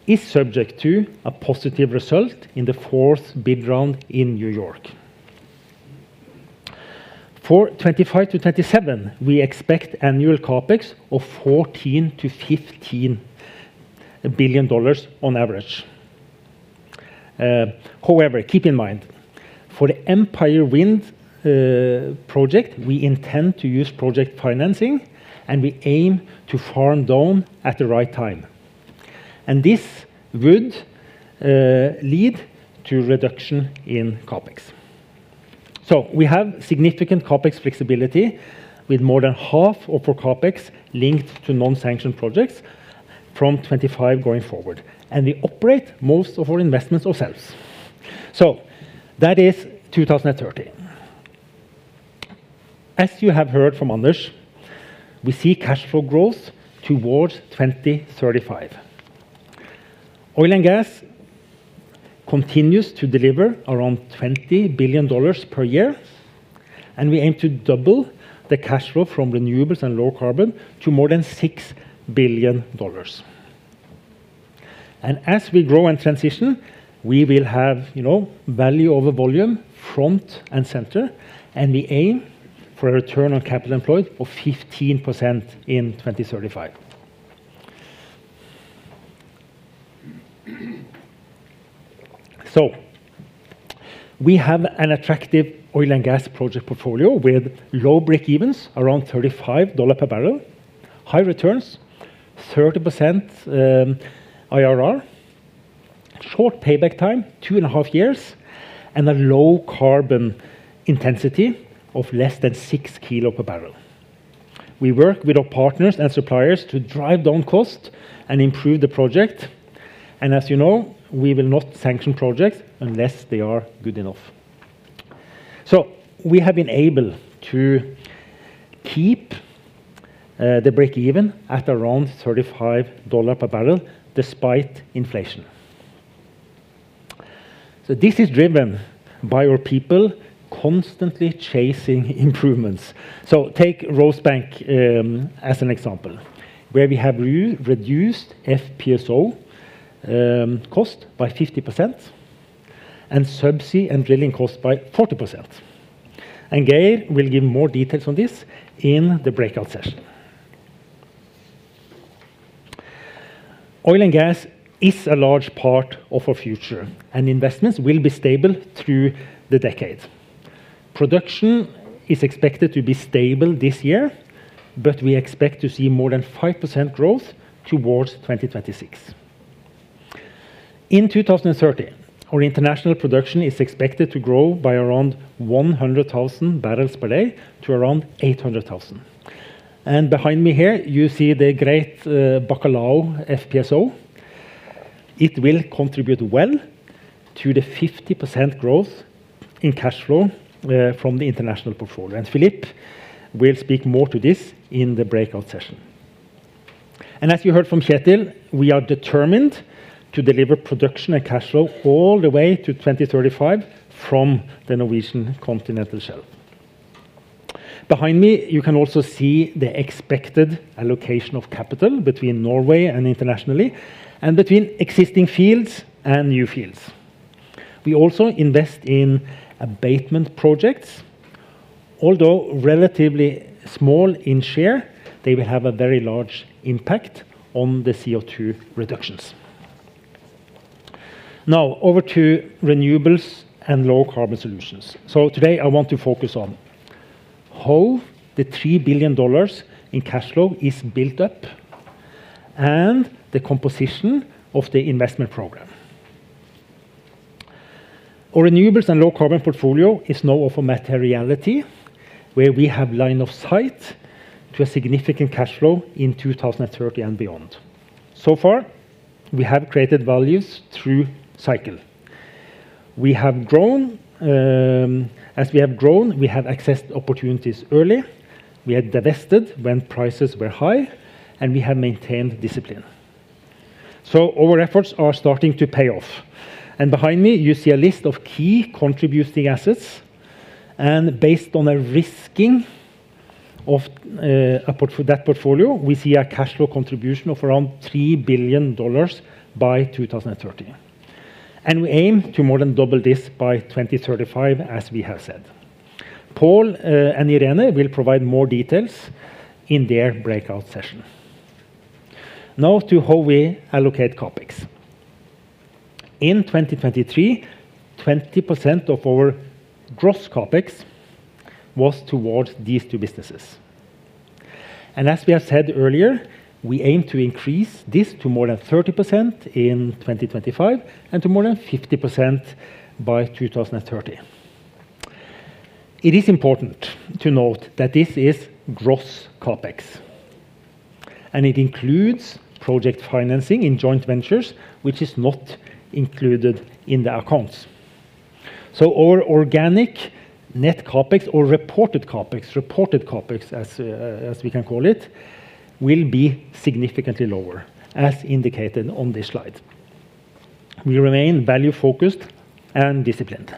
is subject to a positive result in the fourth bid round in New York. For 2025-2027, we expect annual CapEx of $14 billion-$15 billion on average. However, keep in mind, for the Empire Wind project, we intend to use project financing, and we aim to farm down at the right time, and this would lead to reduction in CapEx. So we have significant CapEx flexibility with more than half of our CapEx linked to non-sanctioned projects from 25 going forward, and we operate most of our investments ourselves. So that is 2030. As you have heard from others, we see cash flow growth towards 2035. Oil and gas continues to deliver around $20 billion per year, and we aim to double the cash flow from renewables and low carbon to more than $6 billion. And as we grow and transition, we will have, you know, value over volume, front and center, and we aim for a return on capital employed of 15% in 2035. So we have an attractive oil and gas project portfolio with low breakevens, around $35 per barrel, high returns, 30%, IRR, short payback time, 2.5 years, and a low carbon intensity of less than 6 kg per barrel. We work with our partners and suppliers to drive down cost and improve the project, and as you know, we will not sanction projects unless they are good enough. So we have been able to keep the breakeven at around $35 per barrel despite inflation. So this is driven by our people constantly chasing improvements. So take Rosebank as an example, where we have reduced FPSO cost by 50% and subsea and drilling cost by 40%. And Geir will give more details on this in the breakout session. Oil and gas is a large part of our future, and investments will be stable through the decade. Production is expected to be stable this year, but we expect to see more than 5% growth towards 2026. In 2030, our international production is expected to grow by around 100,000 barrels per day to around 800,000. And behind me here, you see the great Bacalhau FPSO. It will contribute well to the 50% growth in cash flow from the international portfolio, and Philippe will speak more to this in the breakout session. And as you heard from Kjetil, we are determined to deliver production and cash flow all the way to 2035 from the Norwegian Continental Shelf. Behind me, you can also see the expected allocation of capital between Norway and internationally and between existing fields and new fields. We also invest in abatement projects. Although relatively small in share, they will have a very large impact on the CO₂ reductions. Now, over to renewables and low-carbon solutions. So today, I want to focus on how the $3 billion in cash flow is built up and the composition of the investment program. Our renewables and low-carbon portfolio is now of a materiality where we have line of sight to a significant cash flow in 2030 and beyond. So far, we have created values through cycle. We have grown, as we have grown, we have accessed opportunities early, we have divested when prices were high, and we have maintained discipline. So our efforts are starting to pay off, and behind me you see a list of key contributing assets, and based on a risking of that portfolio, we see a cash flow contribution of around $3 billion by 2030. And we aim to more than double this by 2035, as we have said. Paul and Irene will provide more details in their breakout session. Now to how we allocate CapEx. In 2023, 20% of our gross CapEx was towards these two businesses. And as we have said earlier, we aim to increase this to more than 30% in 2025, and to more than 50% by 2030. It is important to note that this is gross CapEx, and it includes project financing in joint ventures, which is not included in the accounts. So our organic net CapEx or reported CapEx, reported CapEx as, as we can call it, will be significantly lower, as indicated on this slide. We remain value-focused and disciplined.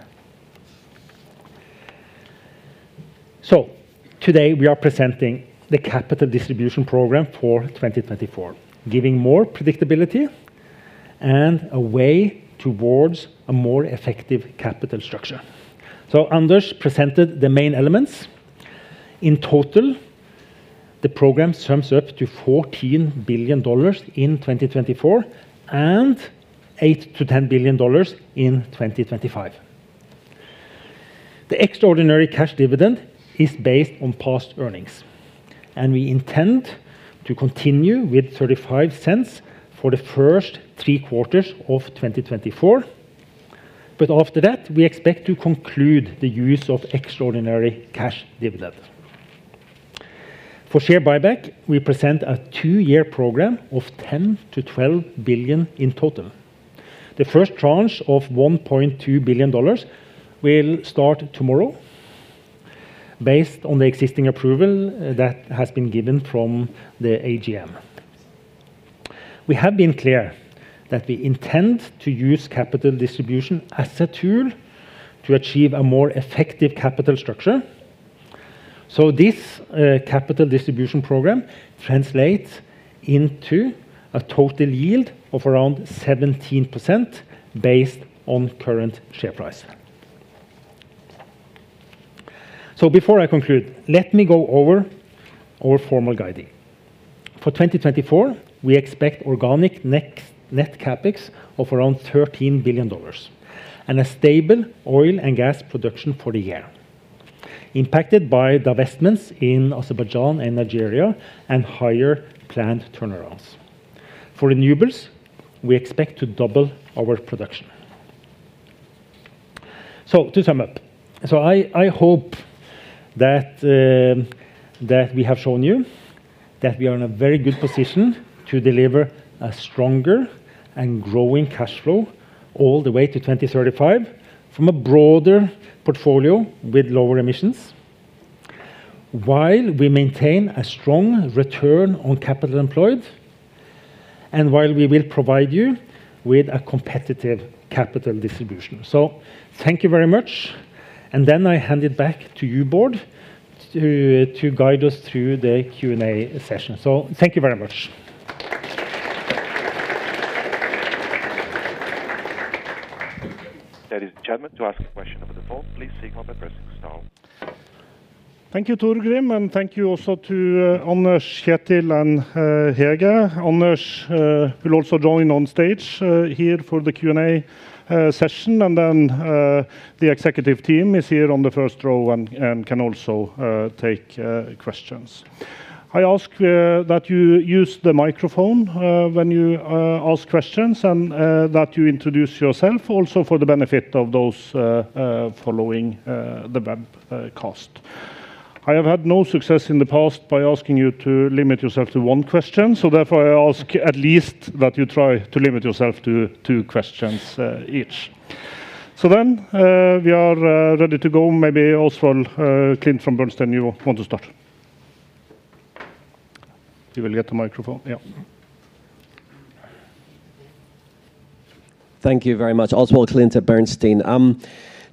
So today we are presenting the capital distribution program for 2024, giving more predictability and a way towards a more effective capital structure. So Anders presented the main elements. In total, the program sums up to $14 billion in 2024, and $8 billion-$10 billion in 2025. The extraordinary cash dividend is based on past earnings, and we intend to continue with $0.35 for the first three quarters of 2024. But after that, we expect to conclude the use of extraordinary cash dividend. For share buyback, we present a two-year program of $10 billion-$12 billion in total. The first tranche of $1.2 billion will start tomorrow, based on the existing approval that has been given from the AGM. We have been clear that we intend to use capital distribution as a tool to achieve a more effective capital structure. So this capital distribution program translates into a total yield of around 17%, based on current share price. So before I conclude, let me go over our formal guidance. For 2024, we expect organic net CapEx of around $13 billion and a stable oil and gas production for the year, impacted by divestments in Azerbaijan and Nigeria, and higher planned turnarounds. For renewables, we expect to double our production. So to sum up, I hope that we have shown you that we are in a very good position to deliver a stronger and growing cash flow all the way to 2035 from a broader portfolio with lower emissions, while we maintain a strong return on capital employed and while we will provide you with a competitive capital distribution. So thank you very much, and then I hand it back to you, board, to guide us through the Q&A session. So thank you very much. Ladies and gentlemen, to ask a question over the phone, please signal by pressing star. Thank you, Torgrim, and thank you also to Anders, Kjetil, and Hege. Anders will also join on stage here for the Q&A session, and then the executive team is here on the first row and can also take questions. I ask that you use the microphone when you ask questions and that you introduce yourself also for the benefit of those following the webcast. I have had no success in the past by asking you to limit yourself to one question, so therefore I ask at least that you try to limit yourself to two questions each. So then we are ready to go. Maybe Oswald Clint from Bernstein, you want to start? You will get a microphone. Yeah. Thank you very much. Oswald Clint at Bernstein.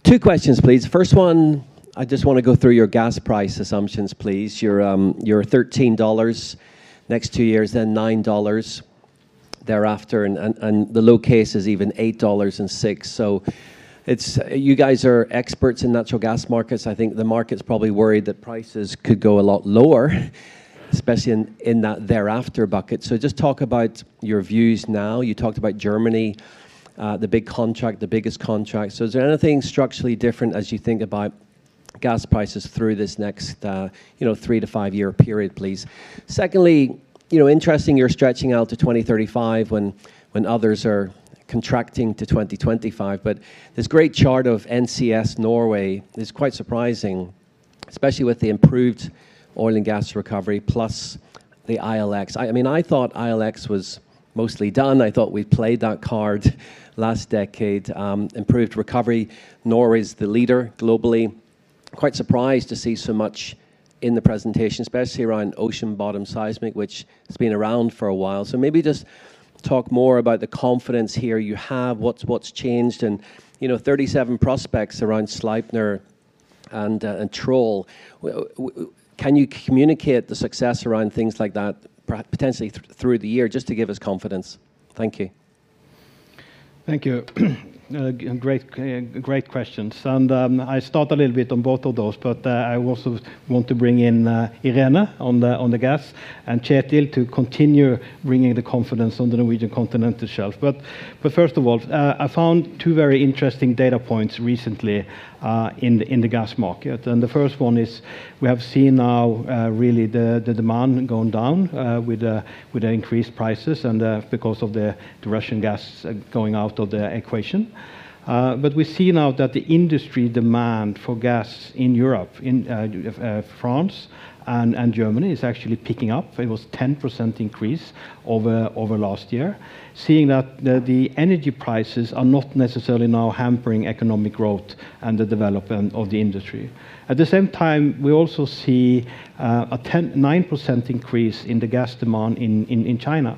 Two questions, please. First one, I just want to go through your gas price assumptions, please. Your, your $13 next two years, then $9 thereafter, and, and, and the low case is even $8 and $6. So it's... You guys are experts in natural gas markets. I think the market's probably worried that prices could go a lot lower, especially in, in that thereafter bucket. So just talk about your views now. You talked about Germany, the big contract, the biggest contract. So is there anything structurally different as you think about gas prices through this next, you know, three to five year period, please? Secondly, you know, interesting, you're stretching out to 2035 when, when others are contracting to 2025. But this great chart of NCS Norway is quite surprising.... especially with the improved oil and gas recovery, plus the ILX. I mean, I thought ILX was mostly done. I thought we'd played that card last decade, improved recovery. Norway is the leader globally. Quite surprised to see so much in the presentation, especially around ocean bottom seismic, which has been around for a while. So maybe just talk more about the confidence here you have. What's changed? And, you know, 37 prospects around Sleipner and Troll. Can you communicate the success around things like that, potentially through the year, just to give us confidence? Thank you. Thank you. Great questions. I start a little bit on both of those, but I also want to bring in Irene on the gas, and Kjetil to continue bringing the confidence on the Norwegian Continental Shelf. But first of all, I found two very interesting data points recently in the gas market. And the first one is, we have seen now really the demand going down with the increased prices and because of the Russian gas going out of the equation. But we see now that the industry demand for gas in Europe, in France and Germany, is actually picking up. It was 10% increase over last year, seeing that the energy prices are not necessarily now hampering economic growth and the development of the industry. At the same time, we also see a 9% increase in the gas demand in China.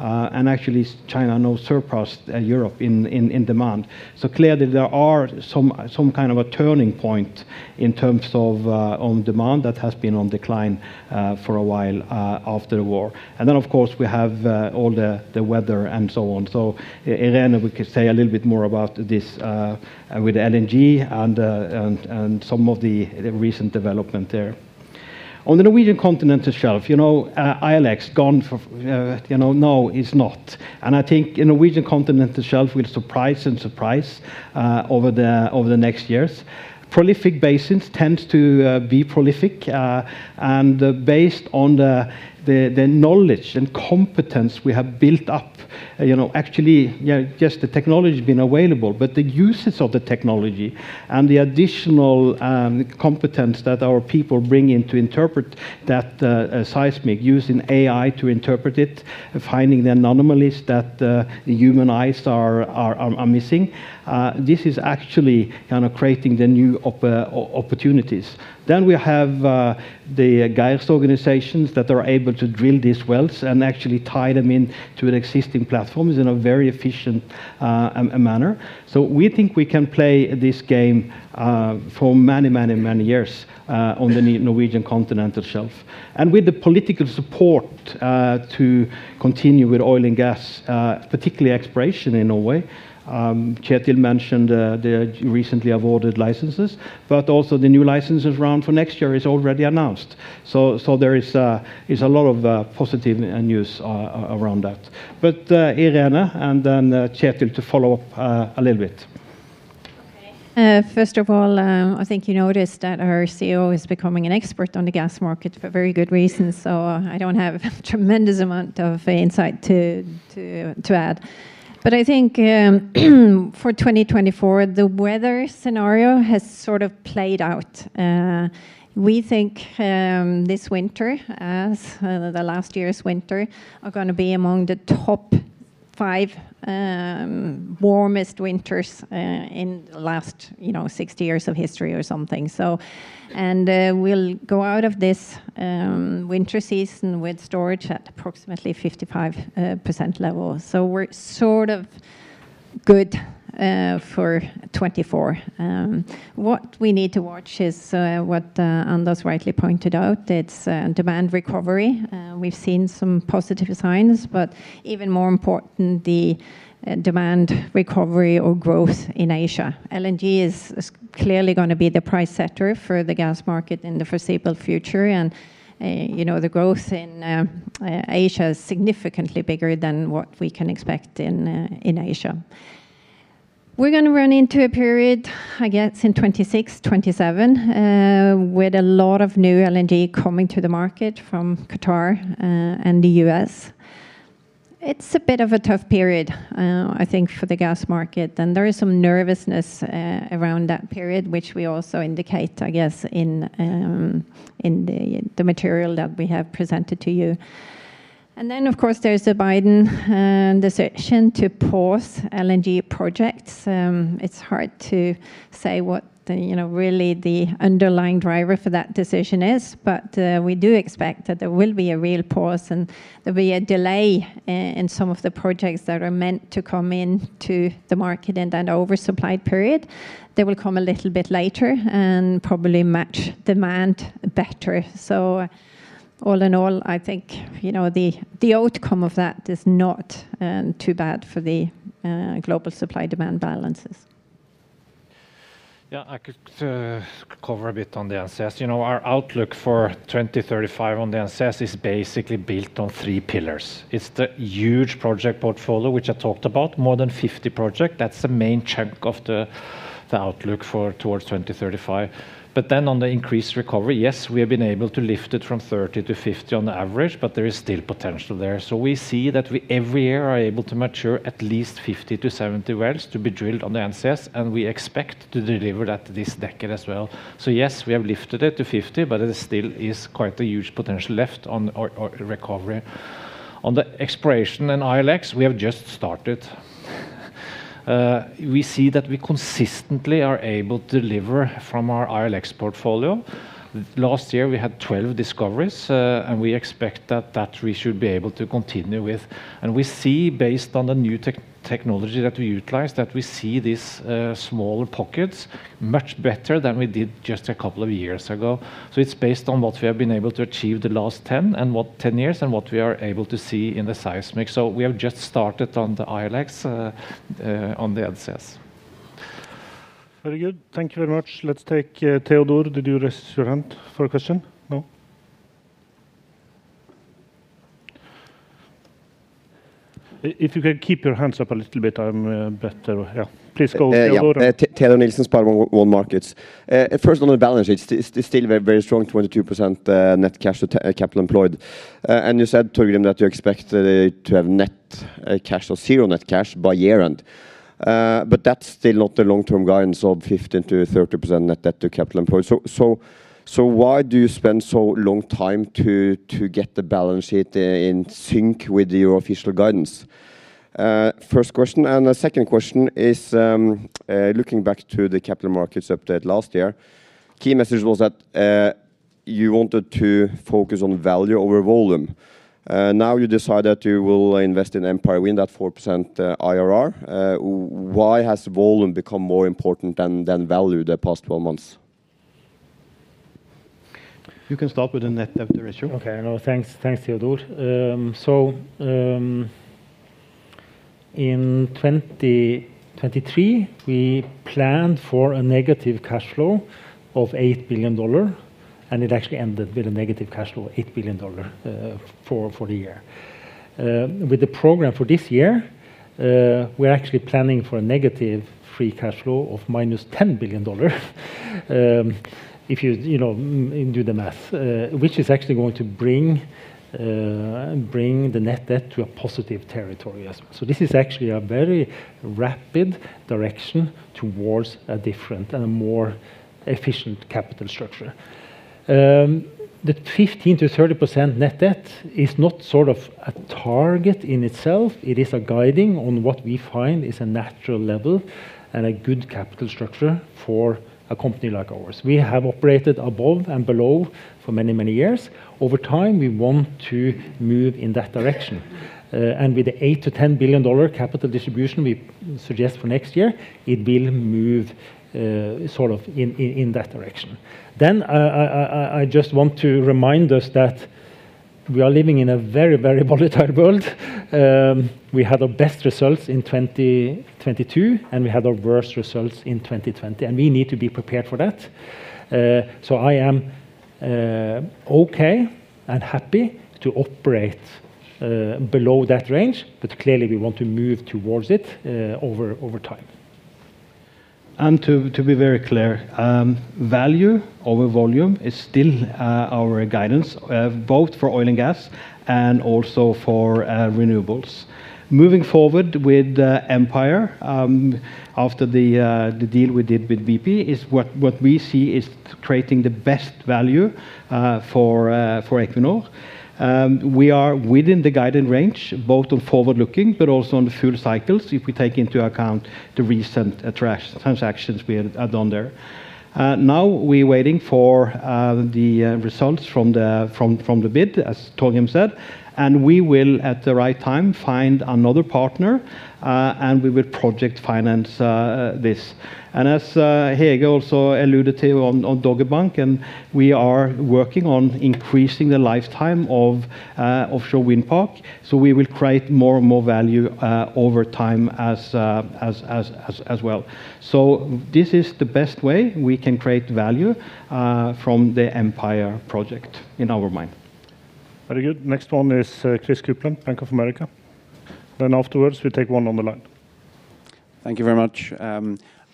And actually, China now surpassed Europe in demand. So clearly, there are some kind of a turning point in terms of on demand that has been on decline for a while after the war. And then, of course, we have all the weather and so on. So, Irene, we could say a little bit more about this with LNG and some of the recent development there. On the Norwegian Continental Shelf, you know, ILX gone for... you know, no, it's not. I think the Norwegian Continental Shelf will surprise and surprise over the next years. Prolific basins tends to be prolific, and based on the knowledge and competence we have built up, you know, actually, you know, just the technology being available, but the uses of the technology and the additional competence that our people bring in to interpret that seismic, using AI to interpret it, finding the anomalies that the human eyes are missing, this is actually kind of creating the new opportunities. Then we have the geosteering organizations that are able to drill these wells and actually tie them in to an existing platform in a very efficient manner. So we think we can play this game for many, many, many years on the Norwegian Continental Shelf. With the political support to continue with oil and gas, particularly exploration in Norway, Kjetil mentioned the recently awarded licenses, but also the new licenses round for next year is already announced. So there is a lot of positive news around that. But, Irene, and then, Kjetil, to follow up a little bit. Okay. First of all, I think you noticed that our CEO is becoming an expert on the gas market for very good reasons, so I don't have tremendous amount of insight to add. But I think, for 2024, the weather scenario has sort of played out. We think, this winter, as the last year's winter, are gonna be among the top five warmest winters in the last, you know, 60 years of history or something. So... And, we'll go out of this winter season with storage at approximately 55% level. So we're sort of good, for 2024. What we need to watch is, what Anders rightly pointed out, it's demand recovery. We've seen some positive signs, but even more important, the demand recovery or growth in Asia. LNG is clearly gonna be the price setter for the gas market in the foreseeable future, and, you know, the growth in Asia is significantly bigger than what we can expect in Asia. We're gonna run into a period, I guess, in 2026, 2027, with a lot of new LNG coming to the market from Qatar, and the U.S. It's a bit of a tough period, I think, for the gas market. And there is some nervousness around that period, which we also indicate, I guess, in the material that we have presented to you. And then, of course, there's the Biden decision to pause LNG projects. It's hard to say what the, you know, really the underlying driver for that decision is, but we do expect that there will be a real pause, and there'll be a delay in some of the projects that are meant to come in to the market in that oversupplied period. They will come a little bit later and probably match demand better. So all in all, I think, you know, the, the outcome of that is not too bad for the global supply-demand balances. Yeah, I could cover a bit on the NCS. You know, our outlook for 2035 on the NCS is basically built on three pillars. It's the huge project portfolio, which I talked about, more than 50 projects. That's the main chunk of the outlook for towards 2035. But then on the increased recovery, yes, we have been able to lift it from 30 wells to 50 wells on average, but there is still potential there. So we see that we every year are able to mature at least 50 wells-70 wells to be drilled on the NCS, and we expect to deliver that this decade as well. So yes, we have lifted it to 50 wells, but it still is quite a huge potential left on our recovery.... On the exploration in ILX, we have just started. We see that we consistently are able to deliver from our ILX portfolio. Last year, we had 12 discoveries, and we expect that we should be able to continue with. And we see, based on the new technology that we utilize, that we see these smaller pockets much better than we did just a couple of years ago. So it's based on what we have been able to achieve the last 10 years, and what we are able to see in the seismic. So we have just started on the ILX on the NCS. Very good. Thank you very much. Let's take Teodor. Did you raise your hand for a question? No. If you can keep your hands up a little bit, I'm better. Yeah, please go, Teodor. Teodor Sveen-Nilsen, SpareBank 1 Markets. At first, on the balance sheet, it's still very strong, 22% net cash to capital employed. And you said, Torgrim, that you expect to have net cash or zero net cash by year-end. But that's still not the long-term guidance of 15%-30% net debt to capital employed. So why do you spend so long time to get the balance sheet in sync with your official guidance? First question, and the second question is, looking back to the capital markets update last year, key message was that you wanted to focus on value over volume. Now you decide that you will invest in Empire Wind at 4% IRR. Why has volume become more important than value the past 12 months? You can start with the net debt ratio. Okay, no, thanks, thanks, Theodore. So, in 2023, we planned for a negative cash flow of $8 billion, and it actually ended with a negative cash flow of $8 billion for the year. With the program for this year, we're actually planning for a negative free cash flow of -$10 billion, if you know, do the math. Which is actually going to bring the net debt to a positive territory as well. So this is actually a very rapid direction towards a different and a more efficient capital structure. The 15%-30% net debt is not sort of a target in itself, it is a guiding on what we find is a natural level and a good capital structure for a company like ours. We have operated above and below for many, many years. Over time, we want to move in that direction. And with the $8-$10 billion capital distribution we suggest for next year, it will move sort of in that direction. Then, I just want to remind us that we are living in a very, very volatile world. We had our best results in 2022, and we had our worst results in 2020, and we need to be prepared for that. So I am okay and happy to operate below that range, but clearly, we want to move towards it over time. And to be very clear, value over volume is still our guidance, both for oil and gas and also for renewables. Moving forward with Empire, after the deal we did with BP, is what we see is creating the best value for Equinor. We are within the guided range, both on forward-looking, but also on the full cycles, if we take into account the recent attractive transactions we have done there. Now, we're waiting for the results from the bid, as Torgrim said, and we will, at the right time, find another partner, and we will project finance this. As Hege also alluded to on Dogger Bank, and we are working on increasing the lifetime of offshore wind park, so we will create more and more value over time, as well. So this is the best way we can create value from the Empire project in our mind. Very good. Next one is, Chris Kuplent, Bank of America. Then afterwards, we take one on the line. Thank you very much.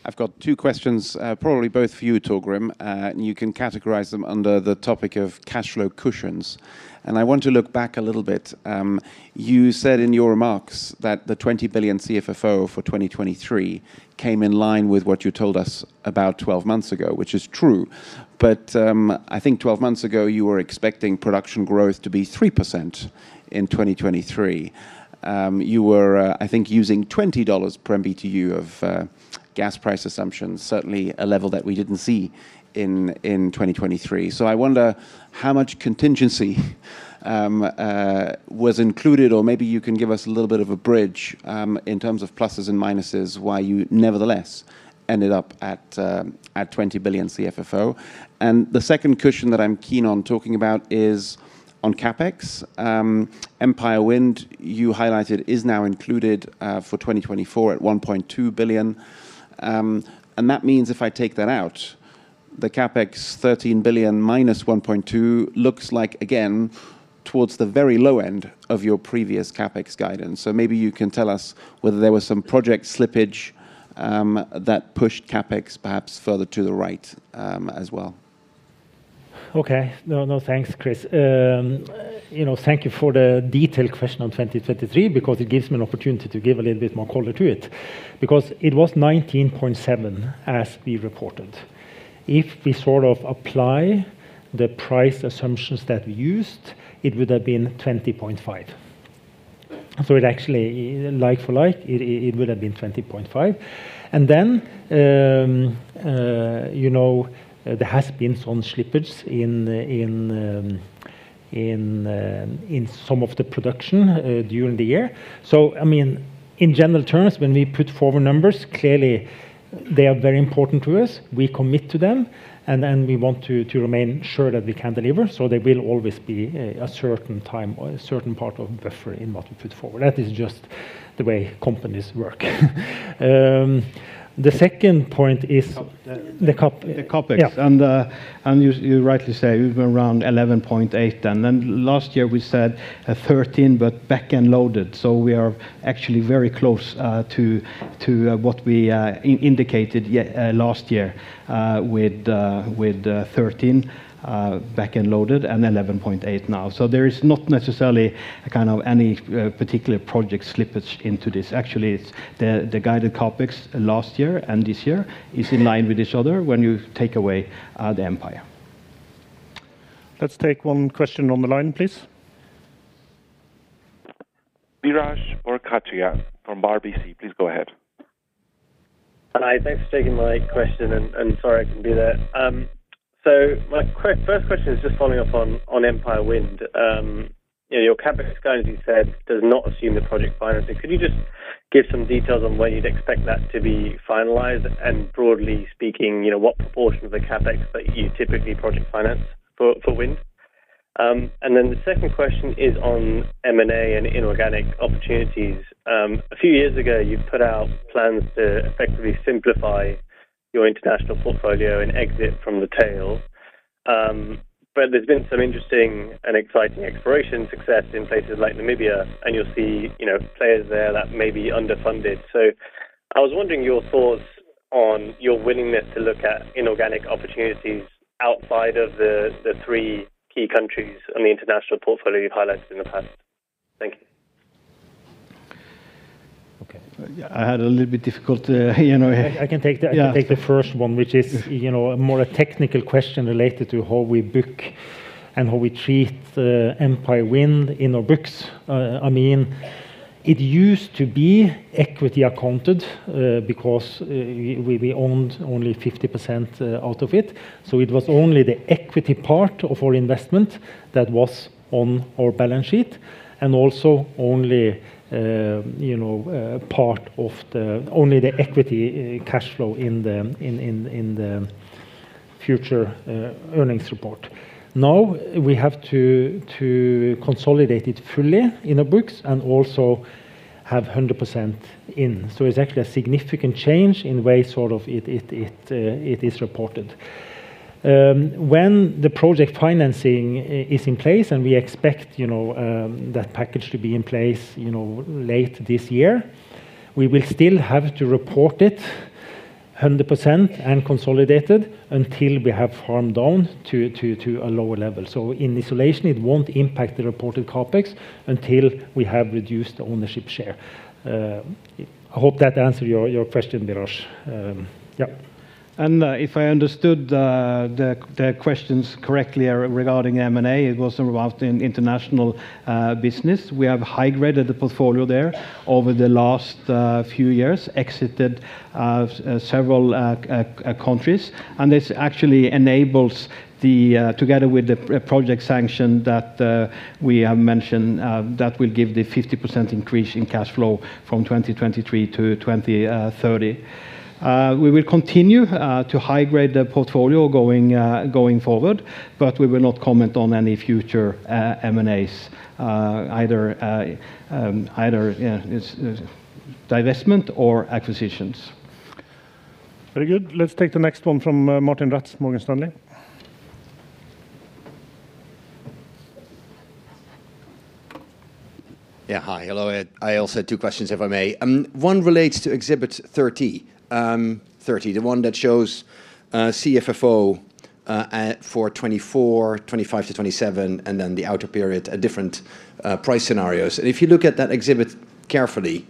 I've got two questions, probably both for you, Torgrim, and you can categorize them under the topic of cash flow cushions, and I want to look back a little bit. You said in your remarks that the $20 billion CFFO for 2023 came in line with what you told us about twelve months ago, which is true. But, I think twelve months ago, you were expecting production growth to be 3% in 2023. You were, I think, using $20 per BTU of gas price assumptions, certainly a level that we didn't see in 2023. So I wonder how much contingency was included, or maybe you can give us a little bit of a bridge in terms of pluses and minuses, why you nevertheless ended up at $20 billion CFFO? And the second cushion that I'm keen on talking about is on CapEx. Empire Wind, you highlighted, is now included for 2024 at $1.2 billion. And that means if I take that out, the CapEx $13 billion minus $1.2 billion looks like, again, towards the very low end of your previous CapEx guidance. So maybe you can tell us whether there was some project slippage that pushed CapEx perhaps further to the right, as well. Okay. No, no, thanks, Chris. You know, thank you for the detailed question on 2023 because it gives me an opportunity to give a little bit more color to it. Because it was 19.7, as we reported. If we sort of apply the price assumptions that we used, it would have been 20.5. So it actually, like for like, it, it would have been 20.5. And then, you know, there has been some slippage in some of the production during the year. So, I mean, in general terms, when we put forward numbers, clearly they are very important to us. We commit to them, and then we want to remain sure that we can deliver, so there will always be a certain time or a certain part of buffer in what we put forward. That is just the way companies work. The second point is- The Capex. The Capex. The Capex. Yeah. You rightly say, we've been around $11.8 billion, and then last year we said $13 billion, but back-end loaded. So we are actually very close to what we indicated last year with $13 billion, back-end loaded and $11.8 billion now. So there is not necessarily a kind of any particular project slippage into this. Actually, it's the guided CapEx last year and this year is in line with each other when you take away the Empire. Let's take one question on the line, please. Biraj Borkhataria from RBC, please go ahead. Hi, thanks for taking my question, and sorry I can't be there. So my first question is just following up on Empire Wind. You know, your CapEx guide, you said, does not assume the project financing. Could you just give some details on when you'd expect that to be finalized? And broadly speaking, you know, what proportion of the CapEx that you typically project finance for, for wind? And then the second question is on M&A and inorganic opportunities. A few years ago, you put out plans to effectively simplify your international portfolio and exit from the tail. But there's been some interesting and exciting exploration success in places like Namibia, and you'll see, you know, players there that may be underfunded. I was wondering your thoughts on your willingness to look at inorganic opportunities outside of the three key countries on the international portfolio you've highlighted in the past. Thank you. Okay. Yeah, I had a little bit difficult to, you know- I can take the- Yeah... I can take the first one, which is—you know, more a technical question related to how we book and how we treat Empire Wind in our books. I mean, it used to be equity accounted because we owned only 50% out of it. So it was only the equity part of our investment that was on our balance sheet, and also only, you know, part of the... only the equity cash flow in the future earnings report. Now, we have to consolidate it fully in the books and also have 100% in. So it's actually a significant change in the way sort of it is reported. When the project financing is in place, and we expect, you know, that package to be in place, you know, late this year, we will still have to report it 100% and consolidated until we have farmed down to a lower level. So in isolation, it won't impact the reported CapEx until we have reduced the ownership share. I hope that answered your question, Viraj. Yeah. If I understood the questions correctly regarding M&A, it was about the international business. We have high-graded the portfolio there over the last few years, exited several countries. This actually enables, together with the project sanction that we have mentioned that will give the 50% increase in cash flow from 2023 to 2030. We will continue to high-grade the portfolio going forward, but we will not comment on any future M&As, either divestment or acquisitions. Very good. Let's take the next one from Martijn Rats, Morgan Stanley. Yeah, hi. Hello, I also have two questions, if I may. One relates to exhibit thirty, thirty, the one that shows CFFO for 2024, 2025-2027, and then the outer period at different price scenarios. And if you look at that exhibit carefully,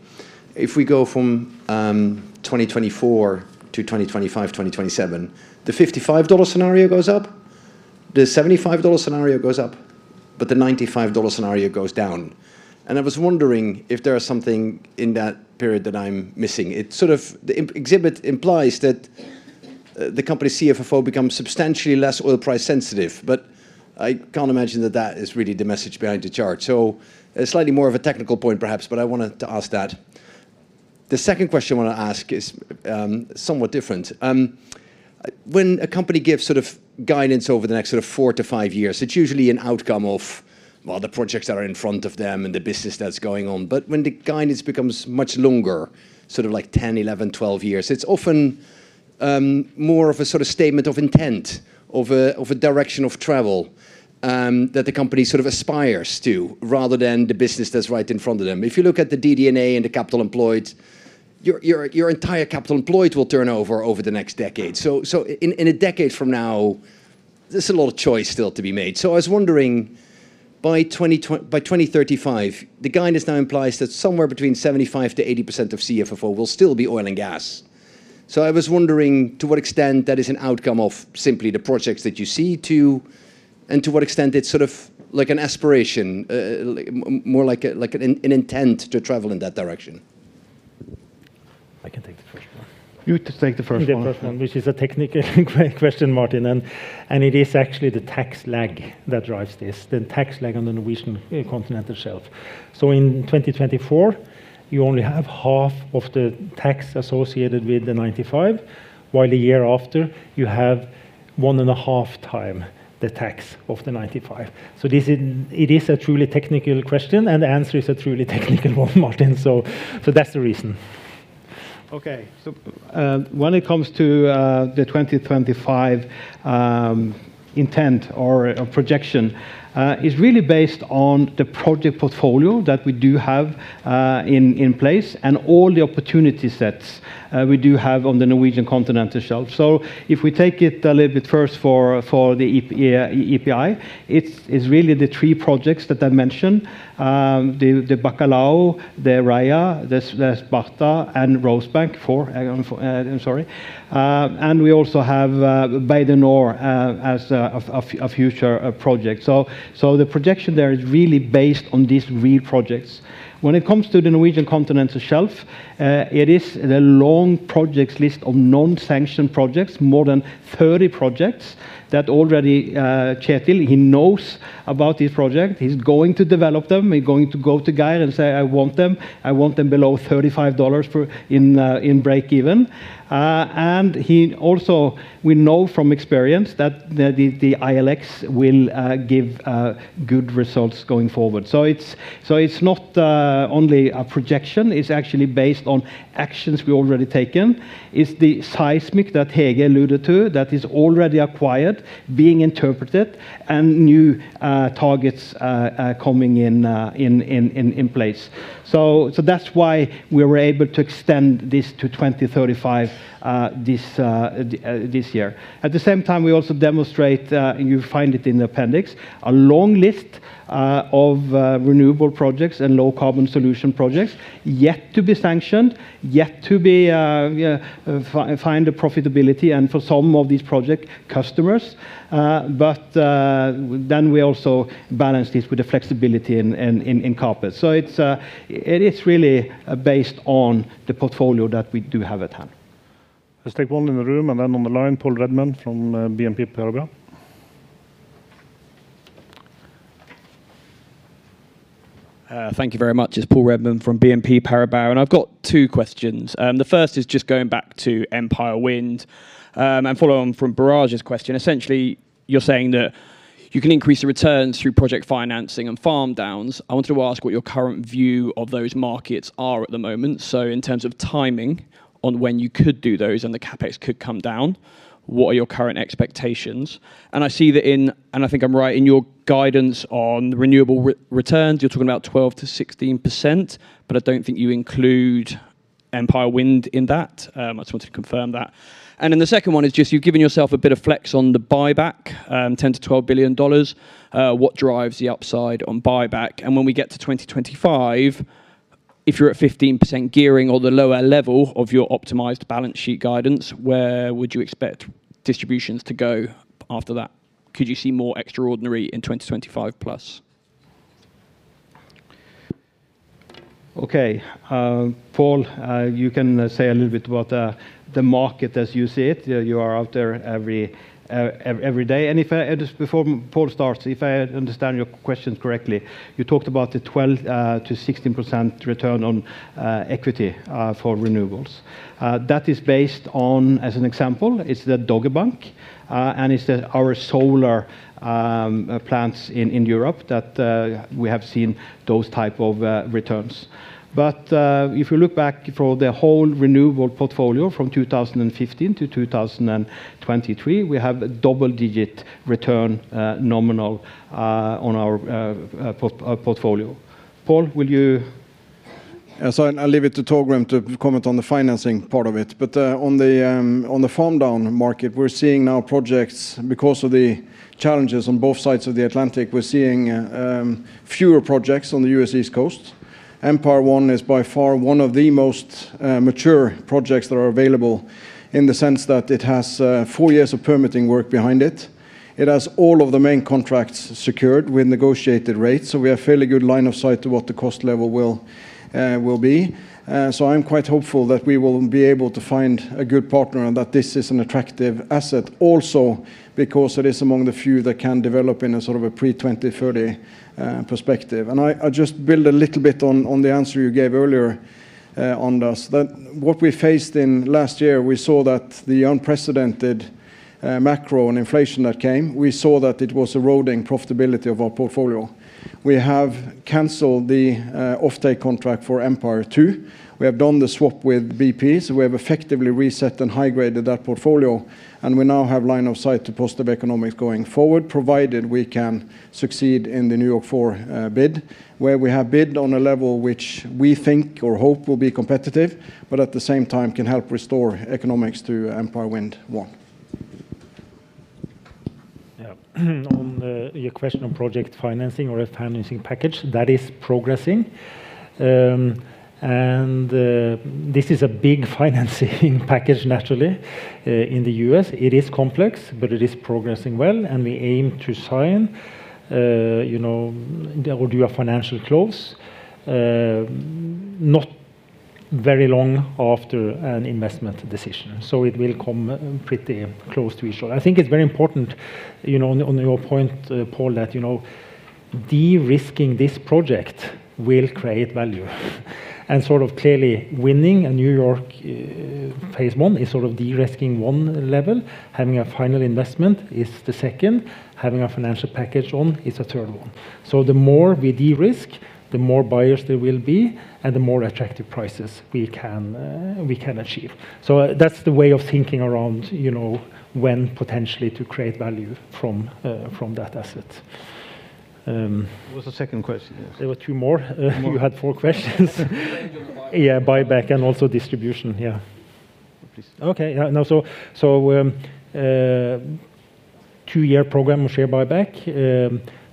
if we go from 2024-2025, 2027, the $55 scenario goes up, the $75 scenario goes up, but the $95 scenario goes down. And I was wondering if there is something in that period that I'm missing. It sort of, the exhibit implies that the company's CFFO becomes substantially less oil price sensitive, but I can't imagine that that is really the message behind the chart. So slightly more of a technical point, perhaps, but I wanted to ask that. The second question I want to ask is somewhat different. When a company gives sort of guidance over the next sort of four to five years, it's usually an outcome of, well, the projects that are in front of them and the business that's going on. But when the guidance becomes much longer, sort of like 10 years, 11 years, 12 years, it's often more of a sort of statement of intent of a direction of travel that the company sort of aspires to, rather than the business that's right in front of them. If you look at the DD&A and the capital employed, your entire capital employed will turn over over the next decade. So in a decade from now, there's a lot of choice still to be made. So I was wondering, by twenty twen... by 2035, the guidance now implies that somewhere between 75%-80% of CFFO will still be oil and gas. So I was wondering, to what extent that is an outcome of simply the projects that you see to-... and to what extent it's sort of like an aspiration, like, more like a, like an intent to travel in that direction? I can take the first one. You take the first one. The first one, which is a technical question, Martin, and it is actually the tax lag that drives this, the tax lag on the Norwegian Continental Shelf. So in 2024, you only have half of the tax associated with the 95, while the year after, you have one and a half time the tax of the 95. So this is... It is a truly technical question, and the answer is a truly technical one, Martin. So that's the reason. Okay. So, when it comes to the 2025 intent or a projection, it's really based on the project portfolio that we do have in place, and all the opportunity sets we do have on the Norwegian Continental Shelf. So if we take it a little bit first for the EP, EPI, it's really the three projects that I mentioned: the Bacalhau, the Raia, the Sparta, and Rosebank. Four, I... I'm sorry. And we also have the Bay du Nord as a future project. So the projection there is really based on these real projects. When it comes to the Norwegian Continental Shelf, it is the long projects list of non-sanctioned projects, more than 30 projects that already, Kjetil, he knows about these projects. He's going to develop them. He's going to go to Geir and say, "I want them. I want them below $35 per, in, in breakeven." And he also... We know from experience that the, the, the ILX will give good results going forward. So it's, so it's not only a projection. It's actually based on actions we already taken. It's the seismic that Hege alluded to, that is already acquired, being interpreted, and new targets coming in in place. So, so that's why we were able to extend this to 2035, this year. At the same time, we also demonstrate, and you find it in the appendix, a long list of renewable projects and low-carbon solution projects yet to be sanctioned, yet to find a profitability, and for some of these projects, customers. But then we also balance this with the flexibility in CapEx. So it is really based on the portfolio that we do have at hand. Let's take one in the room and then on the line, Paul Redman from BNP Paribas. Thank you very much. It's Paul Redman from BNP Paribas, and I've got two questions. The first is just going back to Empire Wind, and follow on from Barclays' question. Essentially, you're saying that you can increase the returns through project financing and farm downs. I wanted to ask what your current view of those markets are at the moment. So in terms of timing on when you could do those and the CapEx could come down, what are your current expectations? And I see that in, and I think I'm right, in your guidance on renewables returns, you're talking about 12%-16%, but I don't think you include Empire Wind in that. I just wanted to confirm that. And then the second one is just you've given yourself a bit of flex on the buyback, $10 billion-$12 billion. What drives the upside on buyback? And when we get to 2025, if you're at 15% gearing or the lower level of your optimized balance sheet guidance, where would you expect distributions to go after that? Could you see more extraordinary in 2025+? Okay. Paul, you can say a little bit about the market as you see it. You are out there every day. And just before Paul starts, if I understand your question correctly, you talked about the 12%-16% return on equity for renewables. That is based on, as an example, it's the Dogger Bank and it's our solar plants in Europe that we have seen those type of returns. But if you look back for the whole renewable portfolio from 2015 to 2023, we have a double-digit return, nominal, on our portfolio. Paul, will you? So I'll leave it to Torgrim to comment on the financing part of it. But on the farm-down market, we're seeing now projects. Because of the challenges on both sides of the Atlantic, we're seeing fewer projects on the U.S. East Coast. Empire Wind 1 is by far one of the most mature projects that are available in the sense that it has four years of permitting work behind it. It has all of the main contracts secured with negotiated rates, so we have fairly good line of sight to what the cost level will be. So I'm quite hopeful that we will be able to find a good partner and that this is an attractive asset also because it is among the few that can develop in a sort of a pre-2030 perspective. And I'll just build a little bit on the answer you gave earlier, Anders, that what we faced in last year, we saw that the unprecedented macro and inflation that came, we saw that it was eroding profitability of our portfolio. We have canceled the offtake contract for Empire Wind 2. We have done the swap with BP, so we have effectively reset and high-graded that portfolio, and we now have line of sight to positive economics going forward, provided we can succeed in the New York 4 bid, where we have bid on a level which we think or hope will be competitive but at the same time can help restore economics to Empire Wind 1. Yeah. On your question on project financing or a financing package, that is progressing.... and, this is a big financing package naturally, in the US. It is complex, but it is progressing well, and we aim to sign, you know, or do a financial close, not very long after an investment decision. So it will come, pretty close to each other. I think it's very important, you know, on your point, Paul, that, you know, de-risking this project will create value. And sort of clearly winning a New York phase one is sort of de-risking one level, having a final investment is the second, having a financial package on is a third one. So the more we de-risk, the more buyers there will be, and the more attractive prices we can, we can achieve. So that's the way of thinking around, you know, when potentially to create value from, from that asset. Um- What was the second question? There were two more. More. You had four questions.... Yeah, buyback and also distribution, yeah. Please. Okay, now, two-year program of share buyback,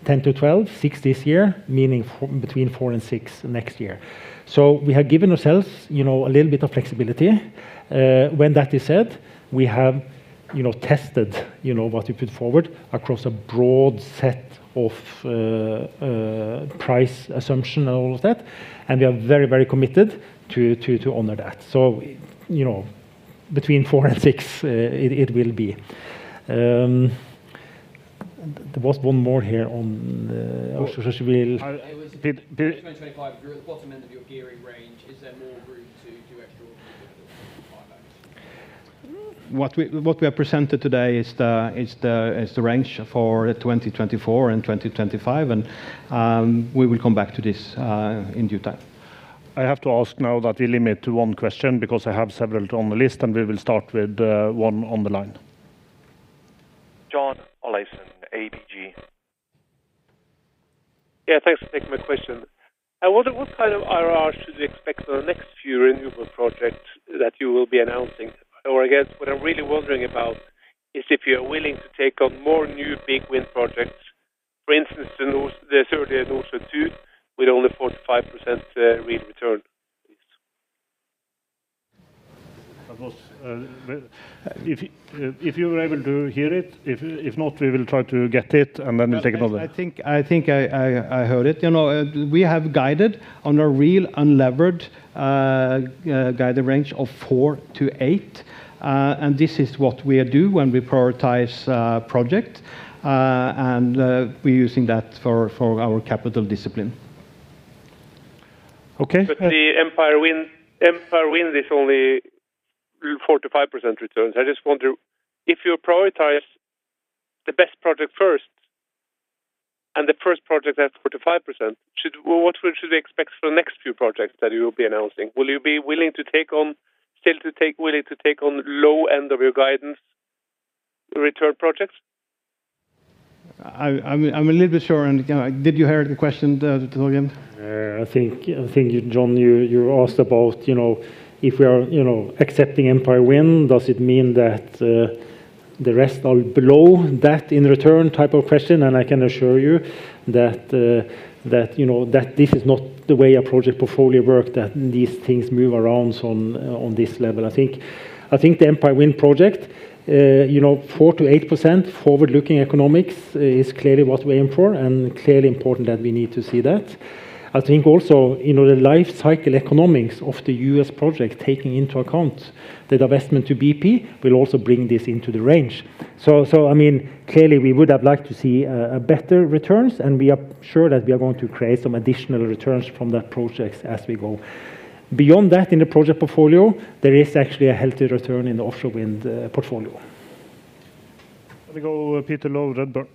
$10-$12, $6 this year, meaning $4-$6 next year. So we have given ourselves, you know, a little bit of flexibility. When that is said, we have, you know, tested, you know, what we put forward across a broad set of price assumption and all of that, and we are very, very committed to honor that. So, you know, between $4 and $6, it will be. There was one more here on offshore wind. I- Did, there-... 2025, you're at the bottom end of your gearing range. Is there more room to do extra buyback? What we have presented today is the range for 2024 and 2025, and we will come back to this in due time. I have to ask now that we limit to one question, because I have several on the list, and we will start with one on the line. John Olaisen, ABG. Yeah, thanks for taking my question. I wonder what kind of IRR should we expect for the next few renewable projects that you will be announcing? Or I guess what I'm really wondering about is if you're willing to take on more new big wind projects, for instance, the the Third and also two, with only 45% wind return? That was, if you were able to hear it. If not, we will try to get it, and then we'll take another. I think I heard it. You know, we have guided on a real unlevered guided range of four to eight, and this is what we do when we prioritize project. And we're using that for our capital discipline. Okay. But the Empire Wind, Empire Wind is only 4%-5% returns. I just wonder, if you prioritize the best project first, and the first project has 45%, should... Well, what should we expect for the next few projects that you will be announcing? Will you be willing to take on, still willing to take on low end of your guidance return projects? I'm a little bit unsure, and did you hear the question, Torgrim? I think, I think you, John, you, you asked about, you know, if we are, you know, accepting Empire Wind, does it mean that, the rest are below that in return type of question? And I can assure you that, that, you know, that this is not the way a project portfolio work, that these things move around on, on this level. I think, I think the Empire Wind project, you know, 4%-8% forward-looking economics is clearly what we aim for and clearly important that we need to see that. I think also, you know, the life cycle economics of the U.S. project, taking into account the investment to BP, will also bring this into the range. So, so I mean, clearly, we would have liked to see a better returns, and we are sure that we are going to create some additional returns from that projects as we go. Beyond that, in the project portfolio, there is actually a healthy return in the offshore wind portfolio. Let me go, Peter Low, Redburn.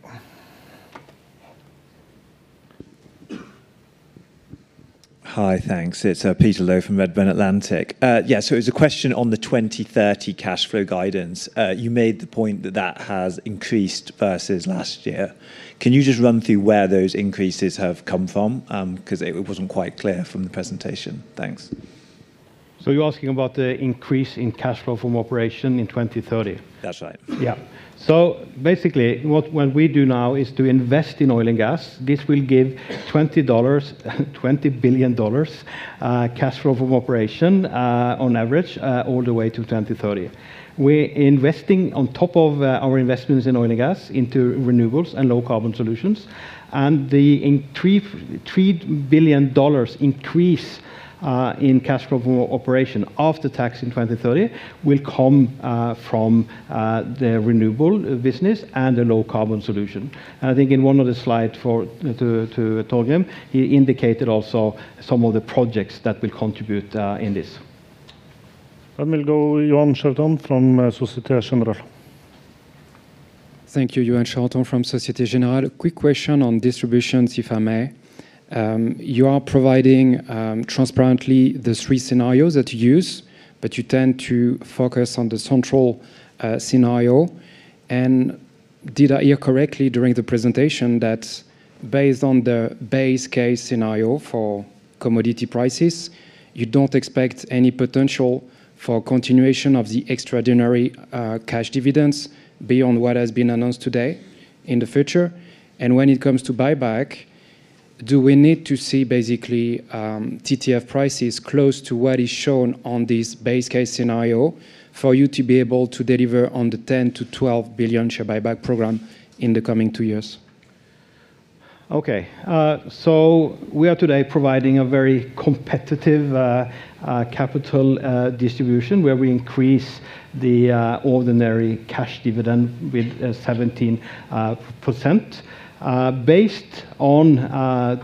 Hi, thanks. It's Peter Low from Redburn Atlantic. Yeah, so it's a question on the 2030 cash flow guidance. You made the point that that has increased versus last year. Can you just run through where those increases have come from? Because it wasn't quite clear from the presentation. Thanks. You're asking about the increase in cash flow from operation in 2030? That's right. Yeah. So basically, what we do now is to invest in oil and gas. This will give $20 billion cash flow from operations, on average, all the way to 2030. We're investing on top of our investments in oil and gas into renewables and low-carbon solutions, and the $3 billion increase in cash flow from operations after tax in 2030 will come from the renewable business and the low-carbon solution. And I think in one of the slides for Torgrim, he indicated also some of the projects that will contribute in this. Let me go Yoann Cherton from Société Générale. Thank you. Yoann Cherton from Société Générale. Quick question on distribution, if I may. You are providing transparently the three scenarios that you use, but you tend to focus on the central scenario. And did I hear correctly during the presentation that based on the base case scenario for commodity prices, you don't expect any potential for continuation of the extraordinary cash dividends beyond what has been announced today... in the future? And when it comes to buyback, do we need to see basically TTF prices close to what is shown on this base case scenario for you to be able to deliver on the $10 billion-$12 billion share buyback program in the coming two years? Okay, so we are today providing a very competitive capital distribution, where we increase the ordinary cash dividend with 17%. Based on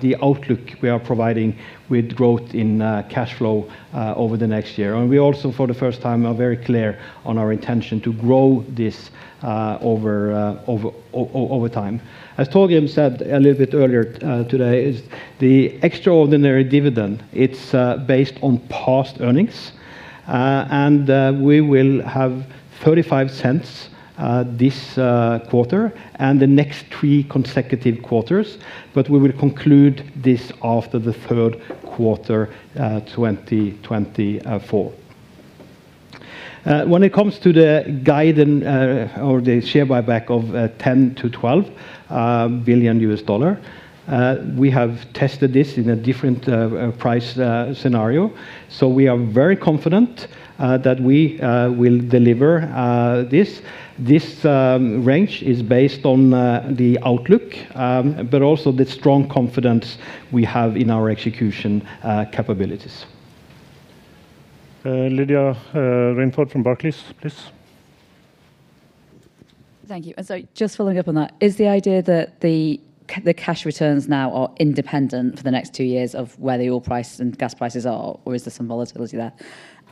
the outlook we are providing with growth in cash flow over the next year. And we also, for the first time, are very clear on our intention to grow this over time. As Torgrim said a little bit earlier, today is the extraordinary dividend; it's based on past earnings. And we will have $0.35 this quarter and the next three consecutive quarters, but we will conclude this after the third quarter, 2024. When it comes to the guidance, or the share buyback of $10 billion-$12 billion, we have tested this in a different price scenario. So we are very confident that we will deliver this. This range is based on the outlook, but also the strong confidence we have in our execution capabilities. Lydia Rainforth from Barclays, please. Thank you. So just following up on that, is the idea that the cash returns now are independent for the next two years of where the oil prices and gas prices are, or is there some volatility there?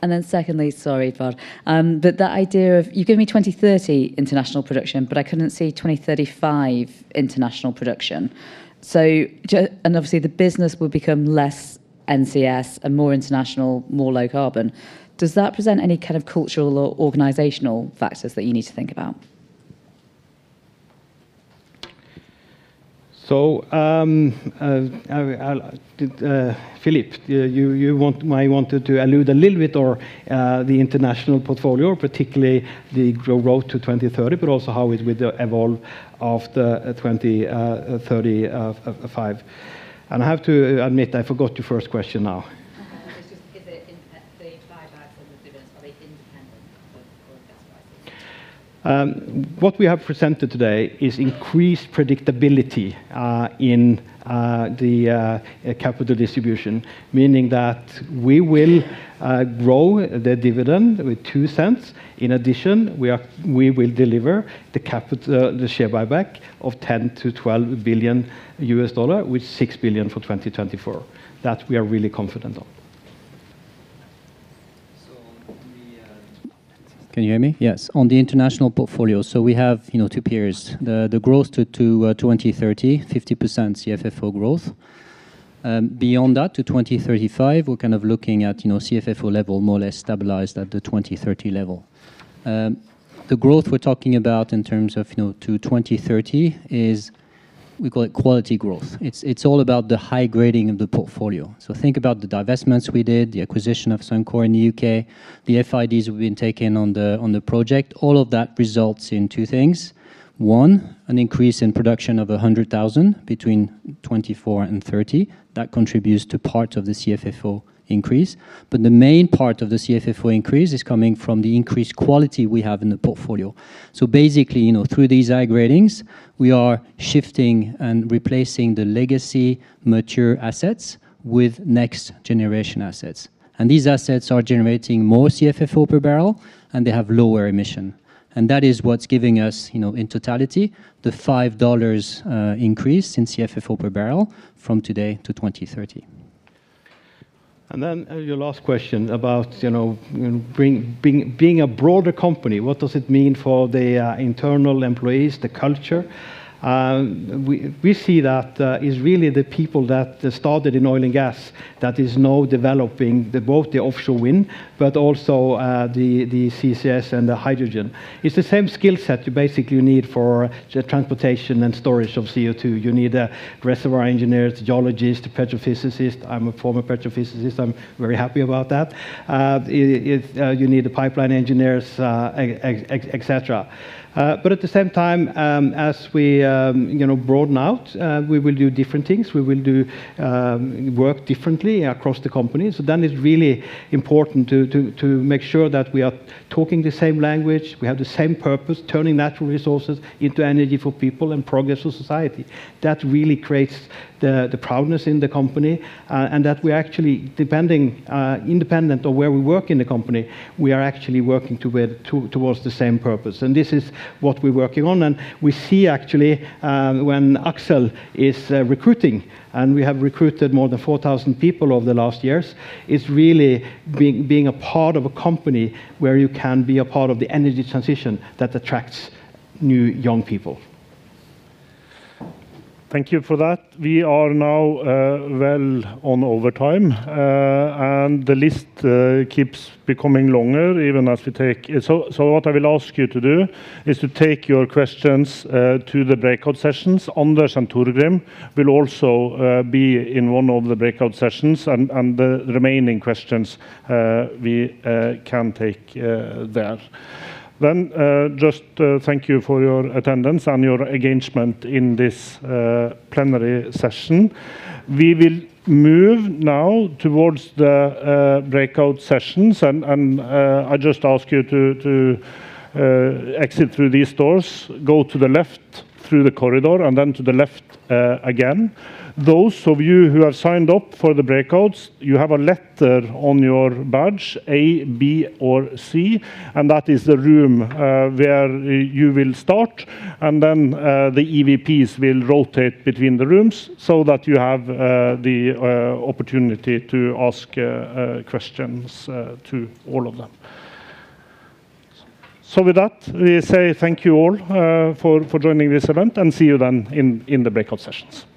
And then secondly, sorry, but that idea of you gave me 2030 international production, but I couldn't see 2035 international production. And obviously, the business will become less NCS and more international, more low carbon. Does that present any kind of cultural or organizational factors that you need to think about? Philippe, you might want to allude a little bit on the international portfolio, particularly the road to 2030, but also how it will evolve after 2035. And I have to admit, I forgot your first question now. It's just to get the impact, the buyback and the dividends, are they independent of oil and gas prices? What we have presented today is increased predictability in the capital distribution, meaning that we will grow the dividend with $0.02. In addition, we will deliver the share buyback of $10 billion-$12 billion, with $6 billion for 2024. That we are really confident on. So we, Can you hear me? Yes. On the international portfolio, so we have, you know, two periods: the growth to 2030, 50% CFFO growth. Beyond that, to 2035, we're kind of looking at, you know, CFFO level more or less stabilized at the 2030 level. The growth we're talking about in terms of, you know, to 2030 is we call it quality growth. It's all about the high grading of the portfolio. So think about the divestments we did, the acquisition of Suncor in the UK, the FIDs we've been taking on the project. All of that results in two things: One, an increase in production of 100,000 between 2024 and 2030. That contributes to part of the CFFO increase. But the main part of the CFFO increase is coming from the increased quality we have in the portfolio. So basically, you know, through these high gradings, we are shifting and replacing the legacy mature assets with next-generation assets. And these assets are generating more CFFO per barrel, and they have lower emission. And that is what's giving us, you know, in totality, the $5 increase in CFFO per barrel from today to 2030. And then, your last question about, you know, being a broader company, what does it mean for the internal employees, the culture? We see that it's really the people that started in oil and gas that is now developing both the offshore wind, but also the CCS and the hydrogen. It's the same skill set you basically need for the transportation and storage of CO2. You need a reservoir engineers, geologists, petrophysicists. I'm a former petrophysicist. I'm very happy about that. You need the pipeline engineers, et cetera. But at the same time, as we, you know, broaden out, we will do different things. We will do work differently across the company. So then it's really important to make sure that we are talking the same language, we have the same purpose, turning natural resources into energy for people and progress for society. That really creates the proudness in the company, and that we're actually independent of where we work in the company, we are actually working towards the same purpose. And this is what we're working on, and we see actually when Aksel is recruiting, and we have recruited more than 4,000 people over the last years, it's really being a part of a company where you can be a part of the energy transition that attracts new, young people. Thank you for that. We are now well on overtime, and the list keeps becoming longer even as we take... So what I will ask you to do is to take your questions to the breakout sessions. Anders and Torgrim will also be in one of the breakout sessions, and the remaining questions we can take there. Then just thank you for your attendance and your engagement in this plenary session. We will move now towards the breakout sessions, and I just ask you to exit through these doors, go to the left through the corridor, and then to the left again. Those of you who have signed up for the breakouts, you have a letter on your badge, A, B, or C, and that is the room where you will start. And then, the EVPs will rotate between the rooms so that you have the opportunity to ask questions to all of them. So with that, we say thank you all for joining this event, and see you then in the breakout sessions.